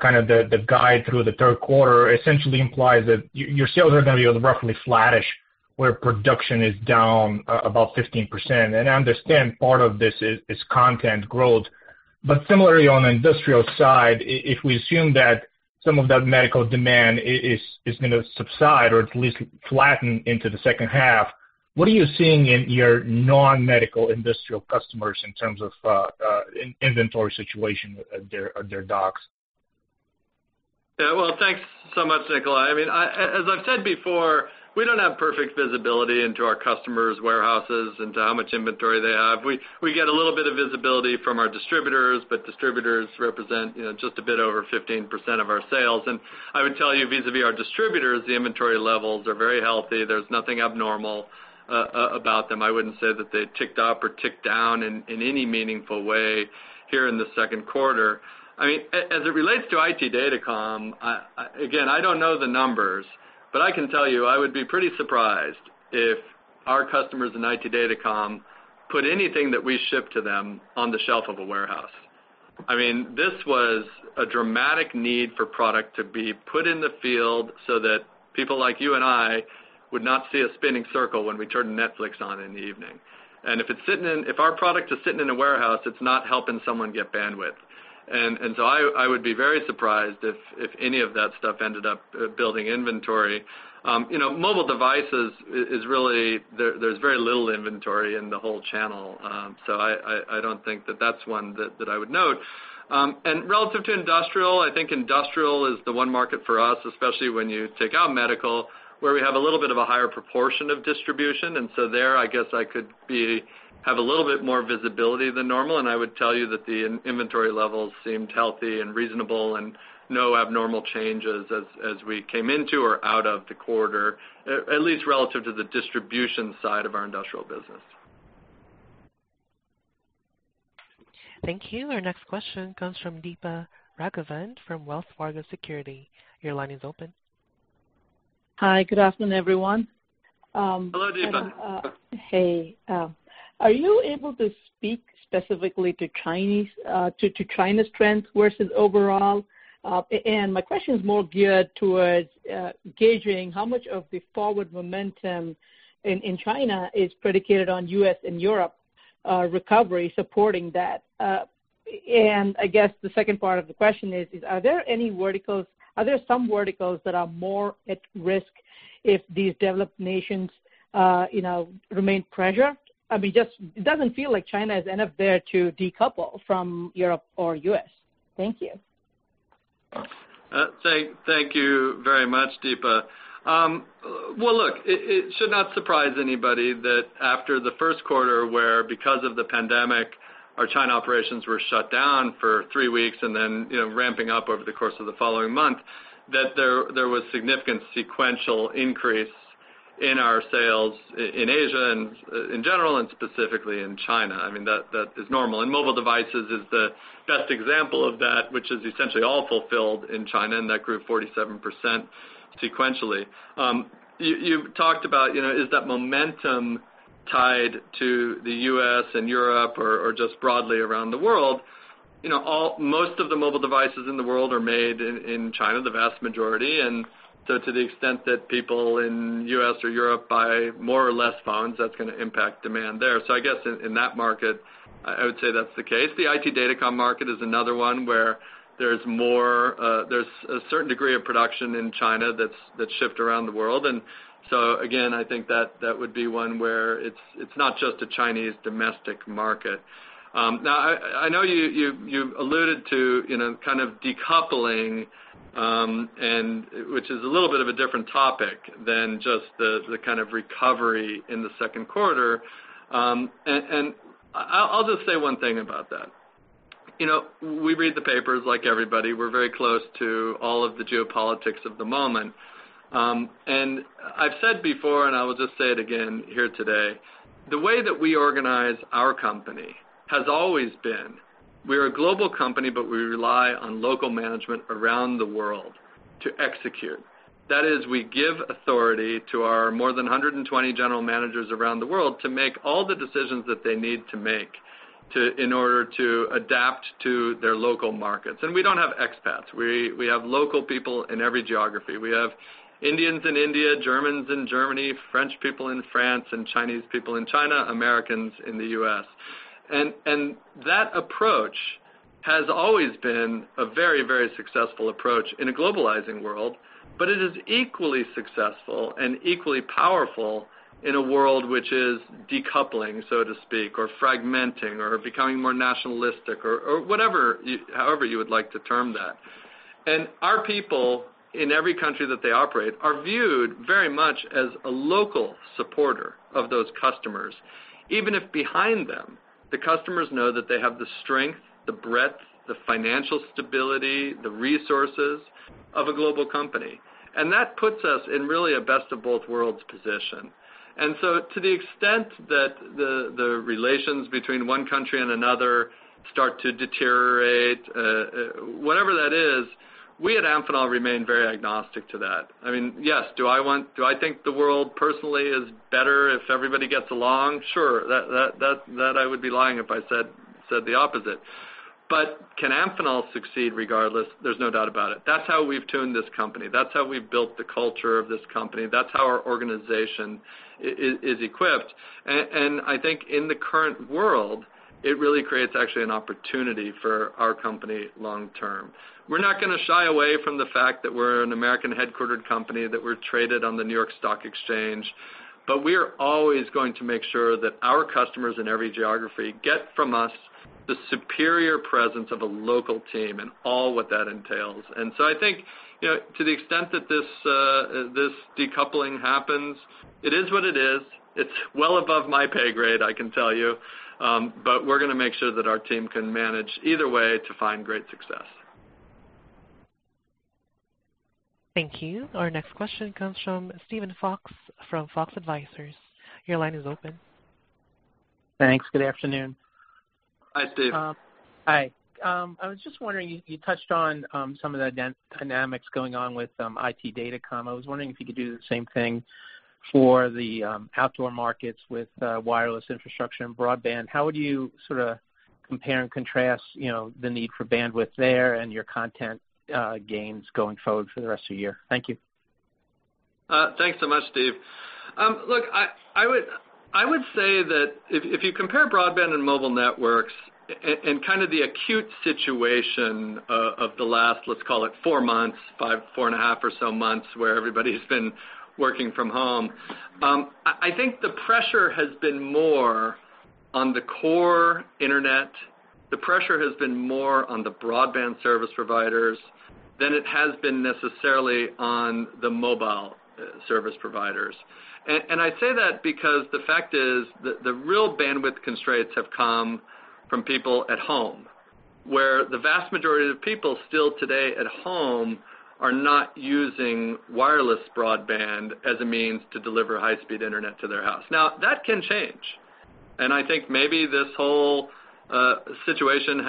kind of the guide through the third quarter, essentially implies that your sales are going to be roughly flattish, where production is down about 15%. I understand part of this is content growth. Similarly, on the industrial side, if we assume that some of that medical demand is going to subside or at least flatten into the second half, what are you seeing in your non-medical industrial customers in terms of inventory situation at their docks? Well, thanks so much, Nikolay. As I've said before, we don't have perfect visibility into our customers' warehouses and to how much inventory they have. We get a little bit of visibility from our distributors, but distributors represent just a bit over 15% of our sales. I would tell you, vis-a-vis our distributors, the inventory levels are very healthy. There's nothing abnormal about them. I wouldn't say that they ticked up or ticked down in any meaningful way here in the second quarter. As it relates to IT Datacom, again, I don't know the numbers, but I can tell you I would be pretty surprised if our customers in IT Datacom put anything that we ship to them on the shelf of a warehouse. This was a dramatic need for product to be put in the field so that people like you and I would not see a spinning circle when we turn Netflix on in the evening. If our product is sitting in a warehouse, it's not helping someone get bandwidth. I would be very surprised if any of that stuff ended up building inventory. Mobile devices, there's very little inventory in the whole channel. I don't think that that's one that I would note. Relative to industrial, I think industrial is the one market for us, especially when you take out medical, where we have a little bit of a higher proportion of distribution. There, I guess I could have a little bit more visibility than normal, and I would tell you that the inventory levels seemed healthy and reasonable and no abnormal changes as we came into or out of the quarter, at least relative to the distribution side of our industrial business. Thank you. Our next question comes from Deepa Raghavan from Wells Fargo Securities. Your line is open. Hi, good afternoon, everyone. Hello, Deepa. Hey. Are you able to speak specifically to China's trends versus overall? My question is more geared towards gauging how much of the forward momentum in China is predicated on U.S. and Europe recovery supporting that. I guess the second part of the question is, are there some verticals that are more at risk if these developed nations remain pressure? It doesn't feel like China is enough there to decouple from Europe or U.S. Thank you. Thank you very much, Deepa. Well, look, it should not surprise anybody that after the first quarter where, because of the pandemic, our China operations were shut down for three weeks and then ramping up over the course of the following month, that there was significant sequential increase in our sales in Asia in general and specifically in China. That is normal. Mobile devices is the best example of that, which is essentially all fulfilled in China, and that grew 47% sequentially. You've talked about, is that momentum tied to the U.S. and Europe or just broadly around the world? Most of the mobile devices in the world are made in China, the vast majority, and so to the extent that people in U.S. or Europe buy more or less phones, that's going to impact demand there. I guess in that market, I would say that's the case. The IT datacom market is another one where there's a certain degree of production in China that's shipped around the world. Again, I think that would be one where it's not just a Chinese domestic market. Now, I know you've alluded to kind of decoupling, which is a little bit of a different topic than just the kind of recovery in the second quarter. I'll just say one thing about that. We read the papers like everybody. We're very close to all of the geopolitics of the moment. I've said before, and I will just say it again here today, the way that we organize our company has always been, we're a global company, but we rely on local management around the world to execute. That is, we give authority to our more than 120 general managers around the world to make all the decisions that they need to make in order to adapt to their local markets. We don't have expats. We have local people in every geography. We have Indians in India, Germans in Germany, French people in France, Chinese people in China, Americans in the U.S. That approach has always been a very, very successful approach in a globalizing world, but it is equally successful and equally powerful in a world which is decoupling, so to speak, or fragmenting or becoming more nationalistic or however you would like to term that. Our people, in every country that they operate, are viewed very much as a local supporter of those customers, even if behind them, the customers know that they have the strength, the breadth, the financial stability, the resources of a global company. That puts us in really a best of both worlds position. To the extent that the relations between one country and another start to deteriorate, whatever that is, we at Amphenol remain very agnostic to that. Yes, do I think the world personally is better if everybody gets along? Sure. That I would be lying if I said the opposite. Can Amphenol succeed regardless? There's no doubt about it. That's how we've tuned this company. That's how we've built the culture of this company. That's how our organization is equipped. I think in the current world, it really creates actually an opportunity for our company long-term. We're not going to shy away from the fact that we're an American headquartered company, that we're traded on the New York Stock Exchange. We are always going to make sure that our customers in every geography get from us the superior presence of a local team and all what that entails. I think, to the extent that this decoupling happens, it is what it is. It's well above my pay grade, I can tell you. We're going to make sure that our team can manage either way to find great success. Thank you. Our next question comes from Steven Fox from Fox Advisors. Your line is open. Thanks. Good afternoon. Hi, Steve. Hi. I was just wondering, you touched on some of the dynamics going on with IT datacom. I was wondering if you could do the same thing for the outdoor markets with wireless infrastructure and broadband. How would you sort of compare and contrast the need for bandwidth there and your content gains going forward for the rest of the year? Thank you. Thanks so much, Steve. Look, I would say that if you compare broadband and mobile networks and kind of the acute situation of the last, let's call it four months, four and a half or so months, where everybody's been working from home, I think the pressure has been more on the core internet. The pressure has been more on the broadband service providers than it has been necessarily on the mobile service providers. I say that because the fact is, the real bandwidth constraints have come from people at home, where the vast majority of people still today at home are not using wireless broadband as a means to deliver high-speed internet to their house. That can change, and I think maybe this whole situation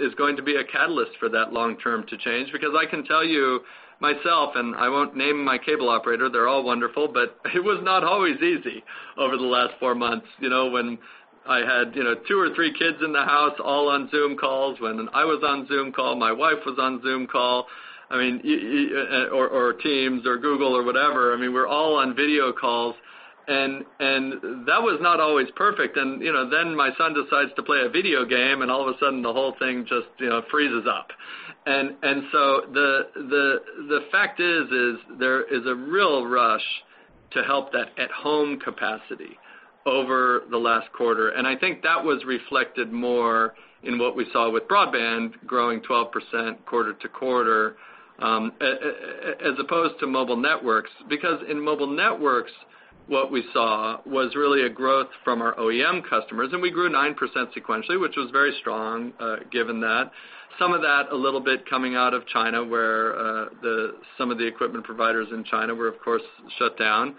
is going to be a catalyst for that long-term to change, because I can tell you myself, and I won't name my cable operator, they're all wonderful, but it was not always easy over the last four months. When I had two or three kids in the house, all on Zoom calls, when I was on Zoom call, my wife was on Zoom call, or Teams or Google or whatever. We're all on video calls and that was not always perfect. Then my son decides to play a video game, and all of a sudden the whole thing just freezes up. The fact is, there is a real rush to help that at-home capacity over the last quarter. I think that was reflected more in what we saw with broadband growing 12% quarter-over-quarter, as opposed to mobile networks. In mobile networks, what we saw was really a growth from our OEM customers, and we grew 9% sequentially, which was very strong, given that. Some of that, a little bit coming out of China, where some of the equipment providers in China were, of course, shut down.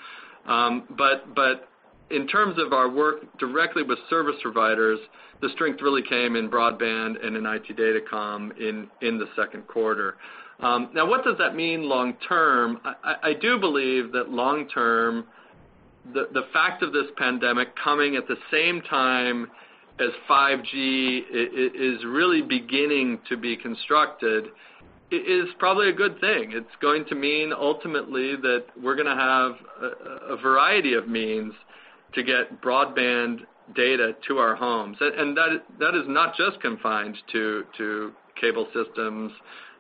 In terms of our work directly with service providers, the strength really came in broadband and in IT data comm in the second quarter. What does that mean long term? I do believe that long term, the fact of this pandemic coming at the same time as 5G is really beginning to be constructed, is probably a good thing. It's going to mean ultimately that we're going to have a variety of means to get broadband data to our homes, that is not just confined to cable systems,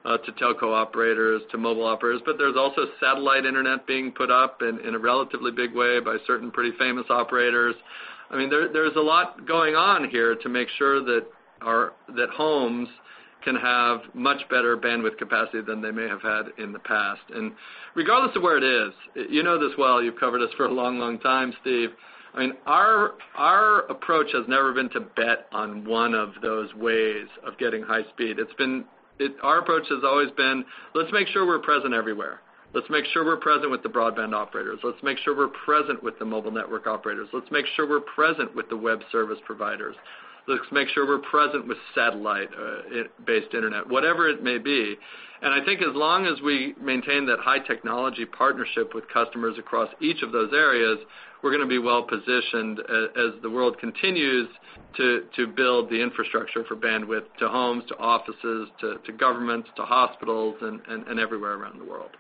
to telco operators, to mobile operators. There's also satellite internet being put up in a relatively big way by certain pretty famous operators. There's a lot going on here to make sure that homes can have much better bandwidth capacity than they may have had in the past. Regardless of where it is, you know this well, you've covered us for a long, long time, Steve. Our approach has never been to bet on one of those ways of getting high speed. Our approach has always been, let's make sure we're present everywhere. Let's make sure we're present with the broadband operators. Let's make sure we're present with the mobile network operators. Let's make sure we're present with the web service providers. Let's make sure we're present with satellite-based internet, whatever it may be. I think as long as we maintain that high technology partnership with customers across each of those areas, we're going to be well-positioned as the world continues to build the infrastructure for bandwidth to homes, to offices, to governments, to hospitals, and everywhere around the world.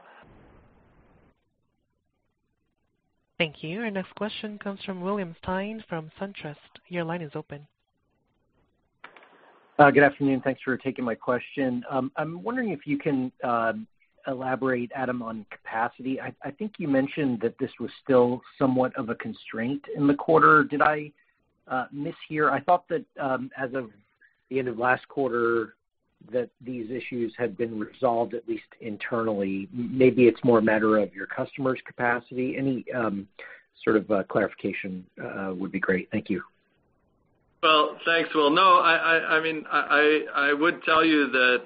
Thank you. Our next question comes from William Stein from SunTrust. Your line is open. Good afternoon. Thanks for taking my question. I'm wondering if you can elaborate, Adam, on capacity. I think you mentioned that this was still somewhat of a constraint in the quarter. Did I mishear? I thought that, as of the end of last quarter, that these issues had been resolved, at least internally. Maybe it's more a matter of your customers' capacity. Any sort of clarification would be great. Thank you. Well, thanks, Will. I would tell you that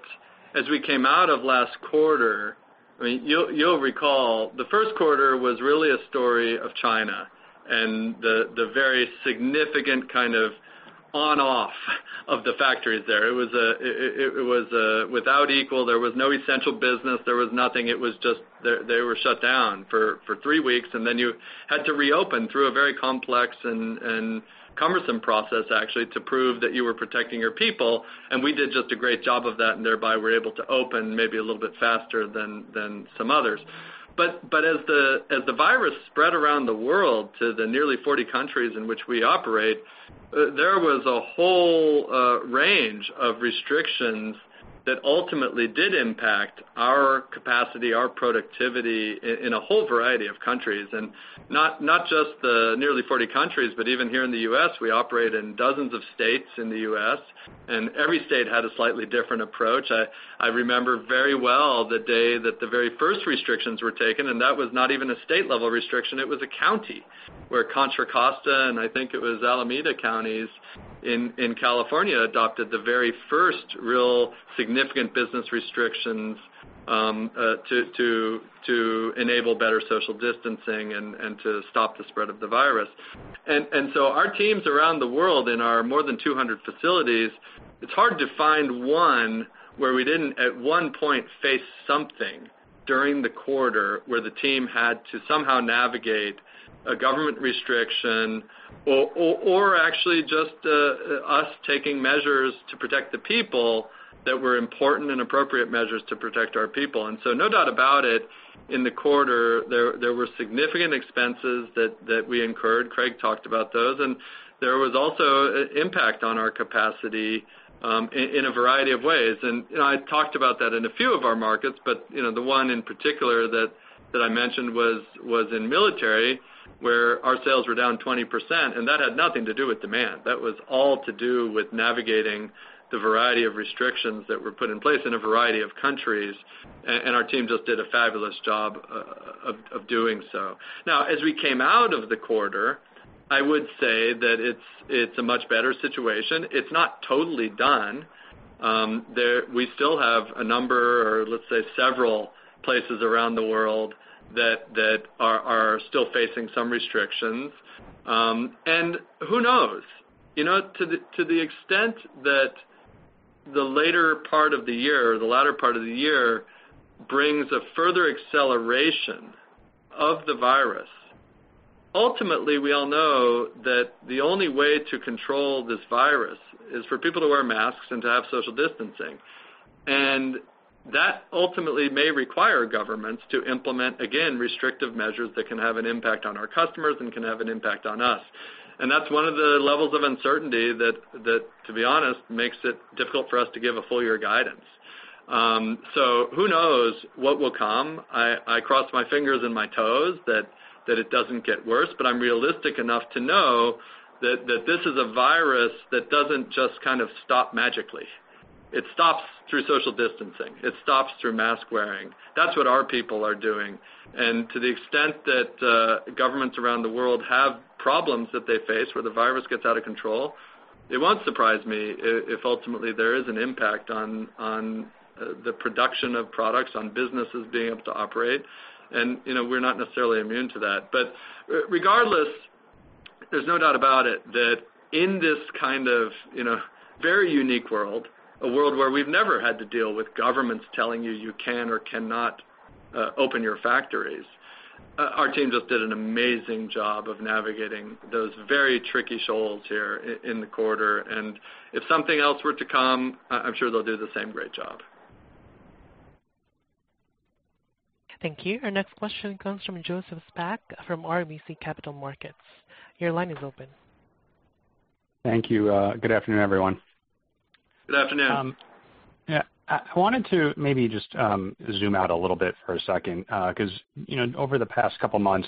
as we came out of last quarter, you'll recall the first quarter was really a story of China and the very significant kind of on-off of the factories there. It was without equal. There was no essential business. There was nothing. It was just, they were shut down for three weeks. Then you had to reopen through a very complex and cumbersome process, actually, to prove that you were protecting your people. We did just a great job of that, and thereby were able to open maybe a little bit faster than some others. As the virus spread around the world to the nearly 40 countries in which we operate, there was a whole range of restrictions that ultimately did impact our capacity, our productivity in a whole variety of countries, and not just the nearly 40 countries, but even here in the U.S. We operate in dozens of states in the U.S., and every state had a slightly different approach. I remember very well the day that the very first restrictions were taken, and that was not even a state-level restriction. It was a county where Contra Costa, and I think it was Alameda Counties in California, adopted the very first real significant business restrictions, to enable better social distancing and to stop the spread of the virus. Our teams around the world, in our more than 200 facilities, it's hard to find one where we didn't, at one point, face something during the quarter where the team had to somehow navigate a government restriction or actually just us taking measures to protect the people that were important and appropriate measures to protect our people. No doubt about it, in the quarter, there were significant expenses that we incurred. Craig talked about those, and there was also impact on our capacity in a variety of ways. I talked about that in a few of our markets, but the one in particular that I mentioned was in military, where our sales were down 20%, and that had nothing to do with demand. That was all to do with navigating the variety of restrictions that were put in place in a variety of countries, and our team just did a fabulous job of doing so. Now, as we came out of the quarter, I would say that it's a much better situation. It's not totally done. We still have a number, or let's say, several places around the world that are still facing some restrictions. Who knows? To the extent that the later part of the year, or the latter part of the year, brings a further acceleration of the virus, ultimately, we all know that the only way to control this virus is for people to wear masks and to have social distancing, and that ultimately may require governments to implement, again, restrictive measures that can have an impact on our customers and can have an impact on us. That's one of the levels of uncertainty that, to be honest, makes it difficult for us to give a full year guidance. Who knows what will come? I cross my fingers and my toes that it doesn't get worse, but I'm realistic enough to know that this is a virus that doesn't just kind of stop magically. It stops through social distancing. It stops through mask wearing. That's what our people are doing. To the extent that governments around the world have problems that they face, where the virus gets out of control, it won't surprise me if ultimately there is an impact on the production of products, on businesses being able to operate, and we're not necessarily immune to that. Regardless, there's no doubt about it that in this kind of very unique world, a world where we've never had to deal with governments telling you you can or cannot open your factories, our teams have did an amazing job of navigating those very tricky shoals here in the quarter. If something else were to come, I'm sure they'll do the same great job. Thank you. Our next question comes from Joseph Spak from RBC Capital Markets. Your line is open. Thank you. Good afternoon, everyone. Good afternoon. I wanted to maybe just zoom out a little bit for a second, because over the past couple of months,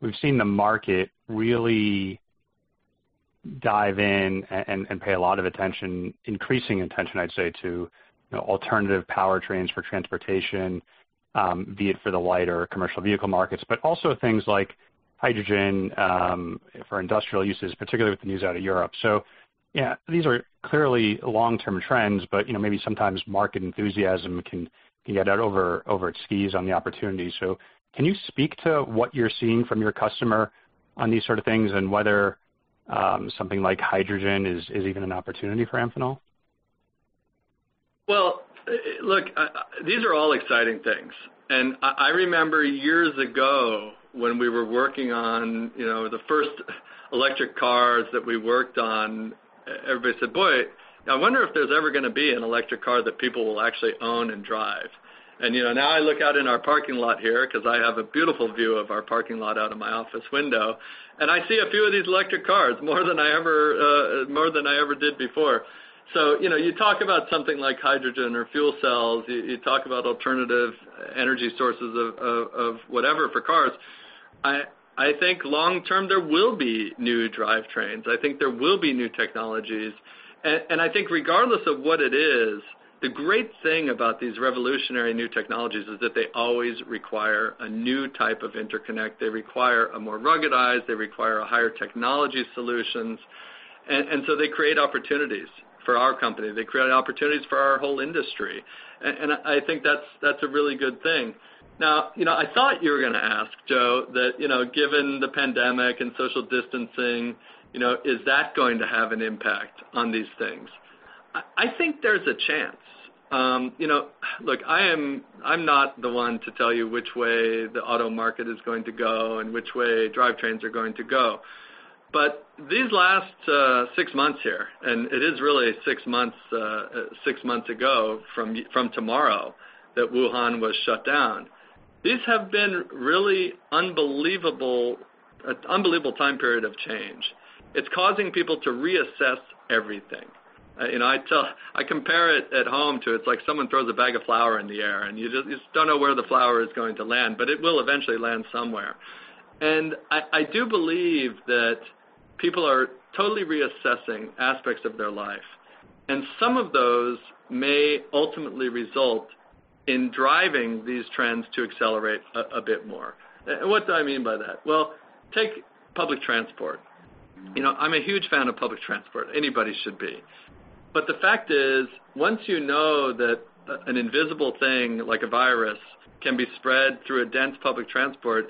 we've seen the market really dive in and pay a lot of attention, increasing attention, I'd say, to alternative powertrains for transportation, be it for the light or commercial vehicle markets, but also things like hydrogen for industrial uses, particularly with the news out of Europe. These are clearly long-term trends, but maybe sometimes market enthusiasm can get out over its skis on the opportunity. Can you speak to what you're seeing from your customer on these sort of things and whether something like hydrogen is even an opportunity for Amphenol? Well, look, these are all exciting things. I remember years ago when we were working on the first electric cars that we worked on, everybody said, "Boy, I wonder if there's ever going to be an electric car that people will actually own and drive." Now I look out in our parking lot here, because I have a beautiful view of our parking lot out of my office window, and I see a few of these electric cars, more than I ever did before. You talk about something like hydrogen or fuel cells, you talk about alternative energy sources of whatever for cars. I think long term, there will be new drivetrains. I think there will be new technologies. I think regardless of what it is, the great thing about these revolutionary new technologies is that they always require a new type of interconnect. They require a more ruggedized, they require a higher technology solutions. They create opportunities for our company. They create opportunities for our whole industry. I think that's a really good thing. Now, I thought you were going to ask, Joe, that given the pandemic and social distancing, is that going to have an impact on these things? I think there's a chance. Look, I'm not the one to tell you which way the auto market is going to go and which way drivetrains are going to go. These last six months here, and it is really six months ago from tomorrow, that Wuhan was shut down. These have been really unbelievable time period of change. It's causing people to reassess everything. I compare it at home to it's like someone throws a bag of flour in the air, and you just don't know where the flour is going to land. It will eventually land somewhere. I do believe that people are totally reassessing aspects of their life, and some of those may ultimately result in driving these trends to accelerate a bit more. What do I mean by that? Well, take public transport. I'm a huge fan of public transport. Anybody should be. The fact is, once you know that an invisible thing like a virus can be spread through a dense public transport,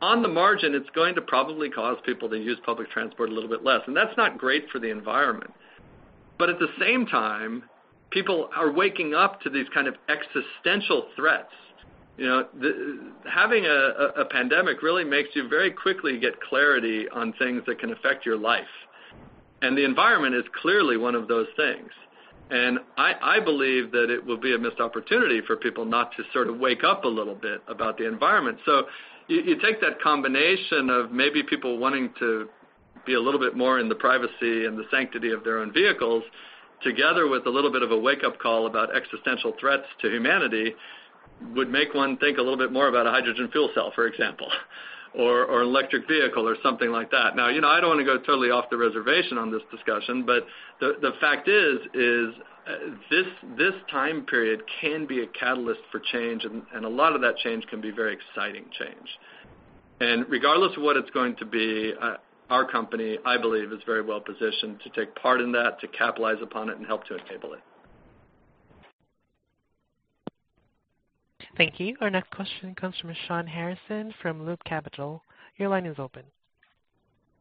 on the margin, it's going to probably cause people to use public transport a little bit less. That's not great for the environment. At the same time, people are waking up to these kind of existential threats. Having a pandemic really makes you very quickly get clarity on things that can affect your life. The environment is clearly one of those things. I believe that it will be a missed opportunity for people not to sort of wake up a little bit about the environment. You take that combination of maybe people wanting to be a little bit more in the privacy and the sanctity of their own vehicles, together with a little bit of a wake-up call about existential threats to humanity, would make one think a little bit more about a hydrogen fuel cell, for example, or electric vehicle or something like that. Now, I don't want to go totally off the reservation on this discussion, but the fact is this time period can be a catalyst for change, and a lot of that change can be very exciting change. Regardless of what it's going to be, our company, I believe, is very well-positioned to take part in that, to capitalize upon it, and help to enable it. Thank you. Our next question comes from Shawn Harrison from Loop Capital. Your line is open.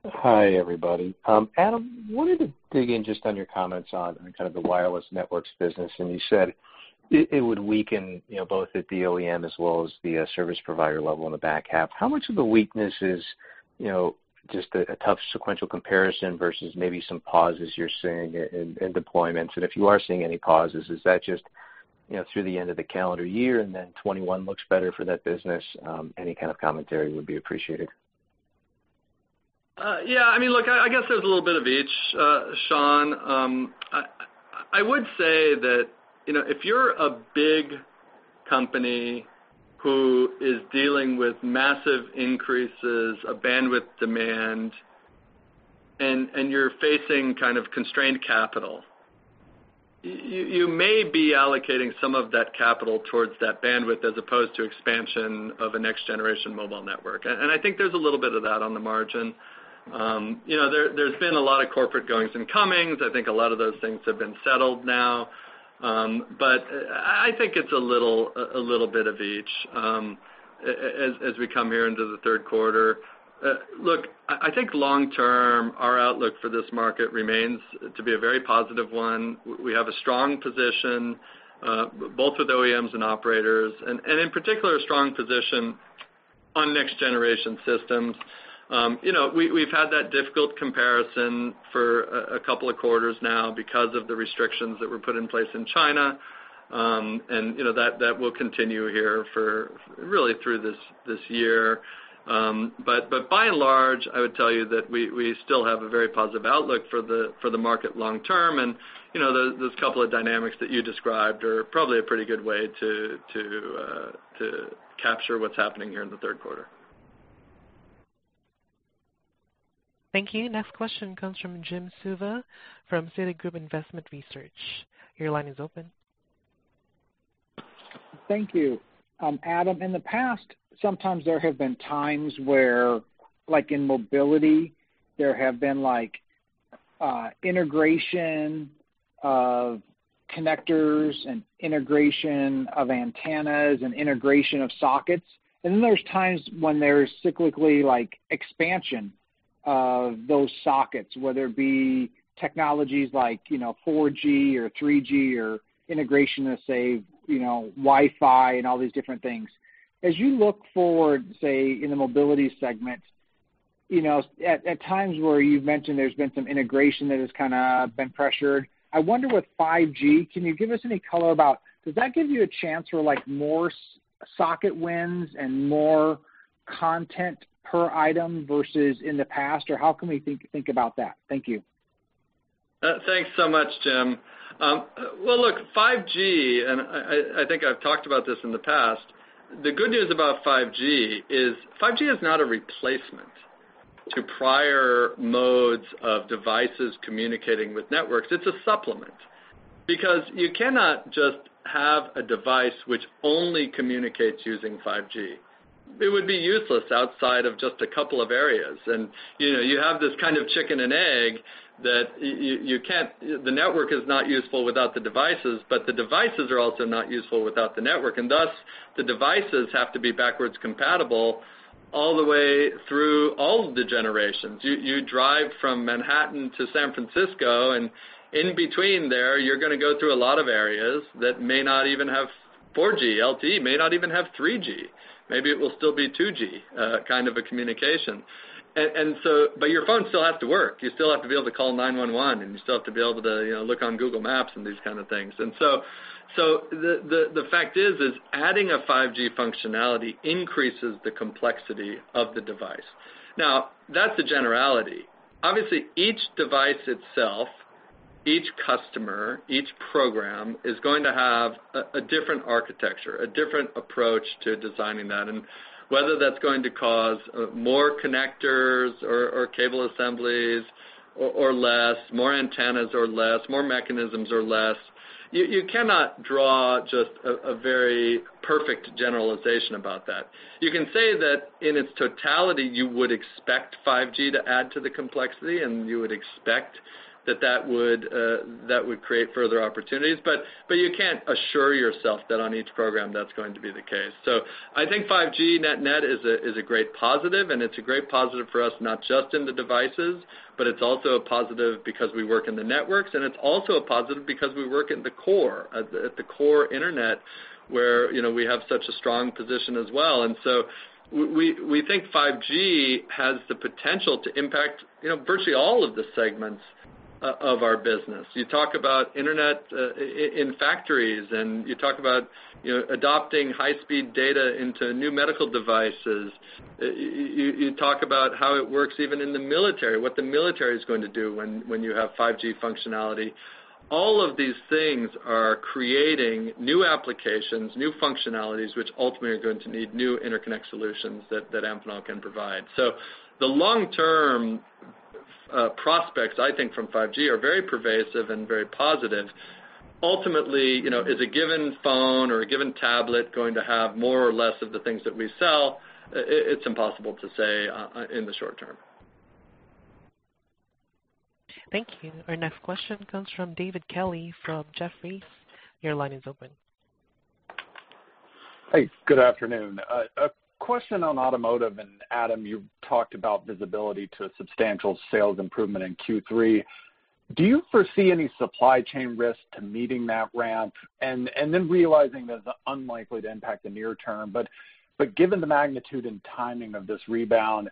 Hi, everybody. Adam, wanted to dig in just on your comments on kind of the wireless networks business. You said it would weaken both at the OEM as well as the service provider level in the back half. How much of the weakness is just a tough sequential comparison versus maybe some pauses you're seeing in deployments? If you are seeing any pauses, is that just through the end of the calendar year and then 2021 looks better for that business? Any kind of commentary would be appreciated. I guess there's a little bit of each, Shawn. I would say that, if you're a big company who is dealing with massive increases of bandwidth demand and you're facing kind of constrained capital, you may be allocating some of that capital towards that bandwidth as opposed to expansion of a next-generation mobile network. I think there's a little bit of that on the margin. There's been a lot of corporate goings and comings. I think a lot of those things have been settled now. I think it's a little bit of each as we come here into the third quarter. I think long term, our outlook for this market remains to be a very positive one. We have a strong position both with OEMs and operators, and in particular, a strong position on next-generation systems. We've had that difficult comparison for a couple of quarters now because of the restrictions that were put in place in China, and that will continue here for really through this year. By and large, I would tell you that we still have a very positive outlook for the market long term, and those couple of dynamics that you described are probably a pretty good way to capture what's happening here in the third quarter. Thank you. Next question comes from Jim Suva from Citigroup Investment Research. Your line is open. Thank you. Adam, in the past, sometimes there have been times where, like in mobility, there have been integration of connectors and integration of antennas and integration of sockets. Then there's times when there's cyclically expansion of those sockets, whether it be technologies like 4G or 3G or integration of, say, Wi-Fi and all these different things. As you look forward, say, in the mobility segment, at times where you've mentioned there's been some integration that has kind of been pressured, I wonder with 5G, can you give us any color about does that give you a chance for more socket wins and more content per item versus in the past? How can we think about that? Thank you. Thanks so much, Jim. Well, look, 5G, and I think I've talked about this in the past. The good news about 5G is 5G is not a replacement to prior modes of devices communicating with networks. It's a supplement because you cannot just have a device which only communicates using 5G. It would be useless outside of just a couple of areas. You have this kind of chicken and egg that the network is not useful without the devices, but the devices are also not useful without the network, and thus, the devices have to be backwards compatible all the way through all the generations. You drive from Manhattan to San Francisco, and in between there, you're gonna go through a lot of areas that may not even have 4G, LTE, may not even have 3G. Maybe it will still be 2G kind of a communication. Your phone still has to work. You still have to be able to call 911, and you still have to be able to look on Google Maps and these kind of things. The fact is adding a 5G functionality increases the complexity of the device. Now, that's a generality. Obviously, each device itself, each customer, each program is going to have a different architecture, a different approach to designing that. Whether that's going to cause more connectors or cable assemblies or less, more antennas or less, more mechanisms or less, you cannot draw just a very perfect generalization about that. You can say that in its totality, you would expect 5G to add to the complexity, and you would expect that that would create further opportunities. You can't assure yourself that on each program, that's going to be the case. I think 5G net-net is a great positive, and it's a great positive for us, not just in the devices, but it's also a positive because we work in the networks, and it's also a positive because we work at the core Internet, where we have such a strong position as well. We think 5G has the potential to impact virtually all of the segments of our business. You talk about Internet in factories, and you talk about adopting high-speed data into new medical devices. You talk about how it works even in the military, what the military's going to do when you have 5G functionality. All of these things are creating new applications, new functionalities, which ultimately are going to need new interconnect solutions that Amphenol can provide. The long-term Prospects, I think from 5G are very pervasive and very positive. Ultimately, is a given phone or a given tablet going to have more or less of the things that we sell? It's impossible to say in the short term. Thank you. Our next question comes from David Kelly from Jefferies. Your line is open. Hey, good afternoon. A question on automotive. Adam, you talked about visibility to substantial sales improvement in Q3. Do you foresee any supply chain risk to meeting that ramp and then realizing that it's unlikely to impact the near term, but given the magnitude and timing of this rebound,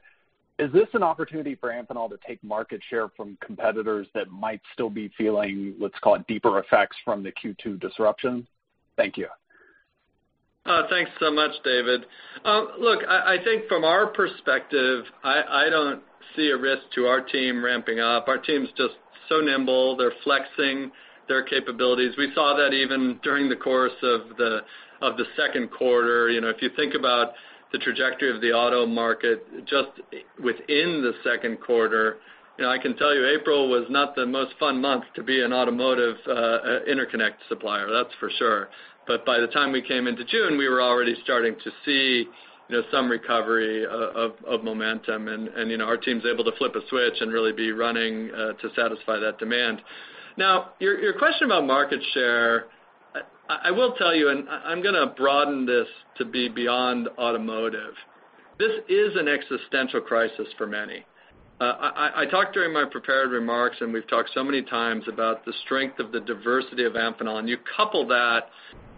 is this an opportunity for Amphenol to take market share from competitors that might still be feeling what's called deeper effects from the Q2 disruption? Thank you. Thanks so much, David. Look, I think from our perspective, I don't see a risk to our team ramping up. Our team's just so nimble. They're flexing their capabilities. We saw that even during the course of the second quarter. If you think about the trajectory of the auto market, just within the second quarter, I can tell you April was not the most fun month to be in automotive interconnect supplier, that's for sure. By the time we came into June, we were already starting to see some recovery of momentum and our team's able to flip a switch and really be running to satisfy that demand. Your question about market share, I will tell you, and I'm going to broaden this to be beyond automotive. This is an existential crisis for many. I talked during my prepared remarks, and we've talked so many times about the strength of the diversity of Amphenol, and you couple that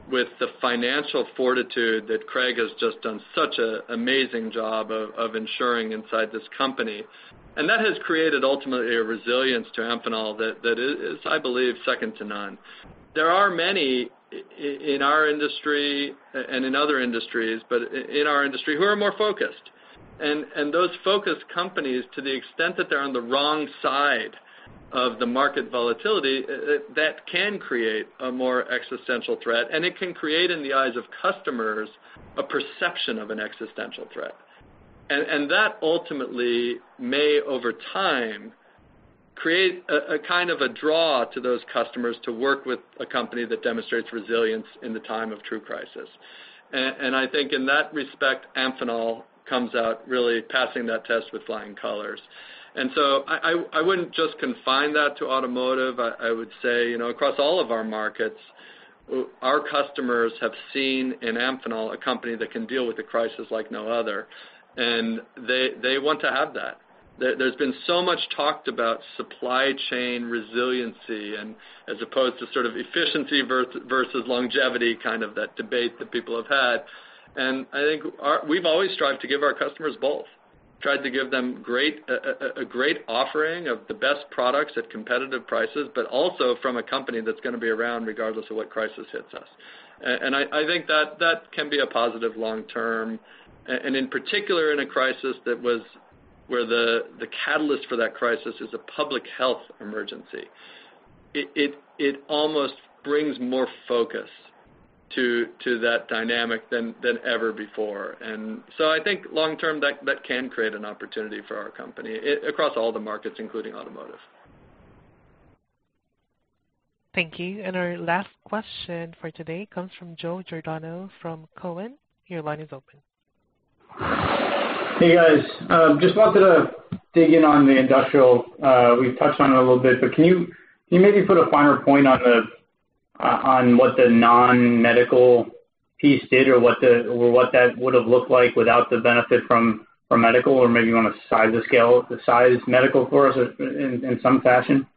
with the financial fortitude that Craig has just done such an amazing job of ensuring inside this company, and that has created ultimately a resilience to Amphenol that is, I believe, second to none. There are many in our industry and in other industries, but in our industry, who are more focused. Those focused companies, to the extent that they're on the wrong side of the market volatility, that can create a more existential threat, and it can create, in the eyes of customers, a perception of an existential threat. That ultimately may, over time, create a kind of a draw to those customers to work with a company that demonstrates resilience in the time of true crisis. I think in that respect, Amphenol comes out really passing that test with flying colors. I wouldn't just confine that to automotive. I would say, across all of our markets, our customers have seen in Amphenol a company that can deal with a crisis like no other, and they want to have that. There's been so much talked about supply chain resiliency and as opposed to sort of efficiency versus longevity, kind of that debate that people have had, and I think we've always strived to give our customers both. Tried to give them a great offering of the best products at competitive prices, but also from a company that's going to be around regardless of what crisis hits us. I think that can be a positive long term, and in particular, in a crisis where the catalyst for that crisis is a public health emergency. It almost brings more focus to that dynamic than ever before. I think long term, that can create an opportunity for our company across all the markets, including automotive. Thank you. Our last question for today comes from Joe Giordano from Cowen. Your line is open. Hey, guys. Just wanted to dig in on the industrial. We've touched on it a little bit. Can you maybe put a finer point on what the non-medical piece did or what that would have looked like without the benefit from medical? Maybe you want to size the scale, the size medical for us in some fashion?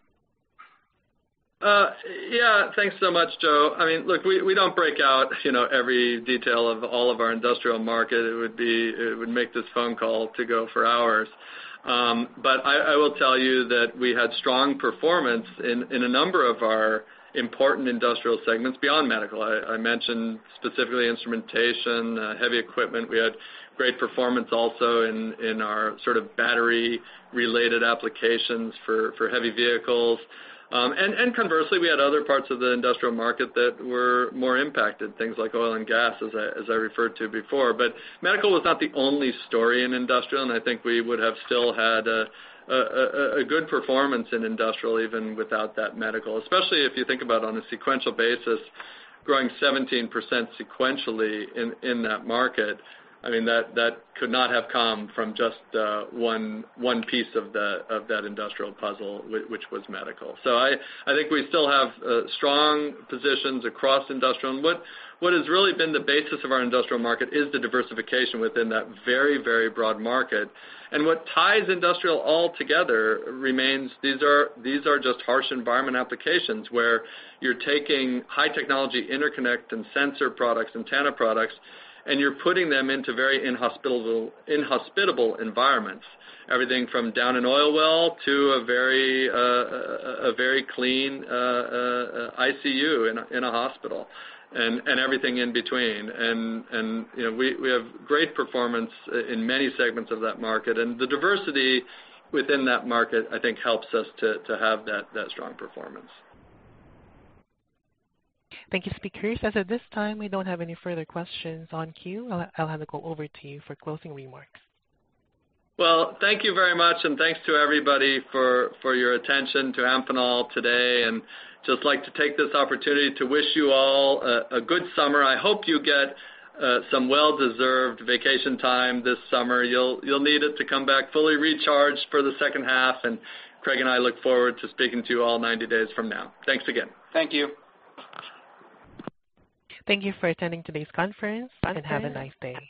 Yeah. Thanks so much, Joe. Look, we don't break out every detail of all of our industrial market. It would make this phone call to go for hours. I will tell you that we had strong performance in a number of our important industrial segments beyond medical. I mentioned specifically instrumentation, heavy equipment. We had great performance also in our sort of battery-related applications for heavy vehicles. Conversely, we had other parts of the industrial market that were more impacted, things like oil and gas as I referred to before. Medical was not the only story in industrial, and I think we would have still had a good performance in industrial, even without that medical. Especially if you think about on a sequential basis, growing 17% sequentially in that market. That could not have come from just one piece of that industrial puzzle, which was medical. I think we still have strong positions across industrial. What has really been the basis of our industrial market is the diversification within that very broad market. What ties industrial all together remains these are just harsh environment applications where you're taking high technology interconnect and sensor products and antenna products, and you're putting them into very inhospitable environments. Everything from down an oil well to a very clean ICU in a hospital and everything in between. We have great performance in many segments of that market, and the diversity within that market, I think helps us to have that strong performance. Thank you, speakers. As of this time, we don't have any further questions on queue. I'll have it go over to you for closing remarks. Well, thank you very much. Thanks to everybody for your attention to Amphenol today. Just like to take this opportunity to wish you all a good summer. I hope you get some well-deserved vacation time this summer. You'll need it to come back fully recharged for the second half. Craig and I look forward to speaking to you all 90 days from now. Thanks again. Thank you. Thank you for attending today's conference, and have a nice day.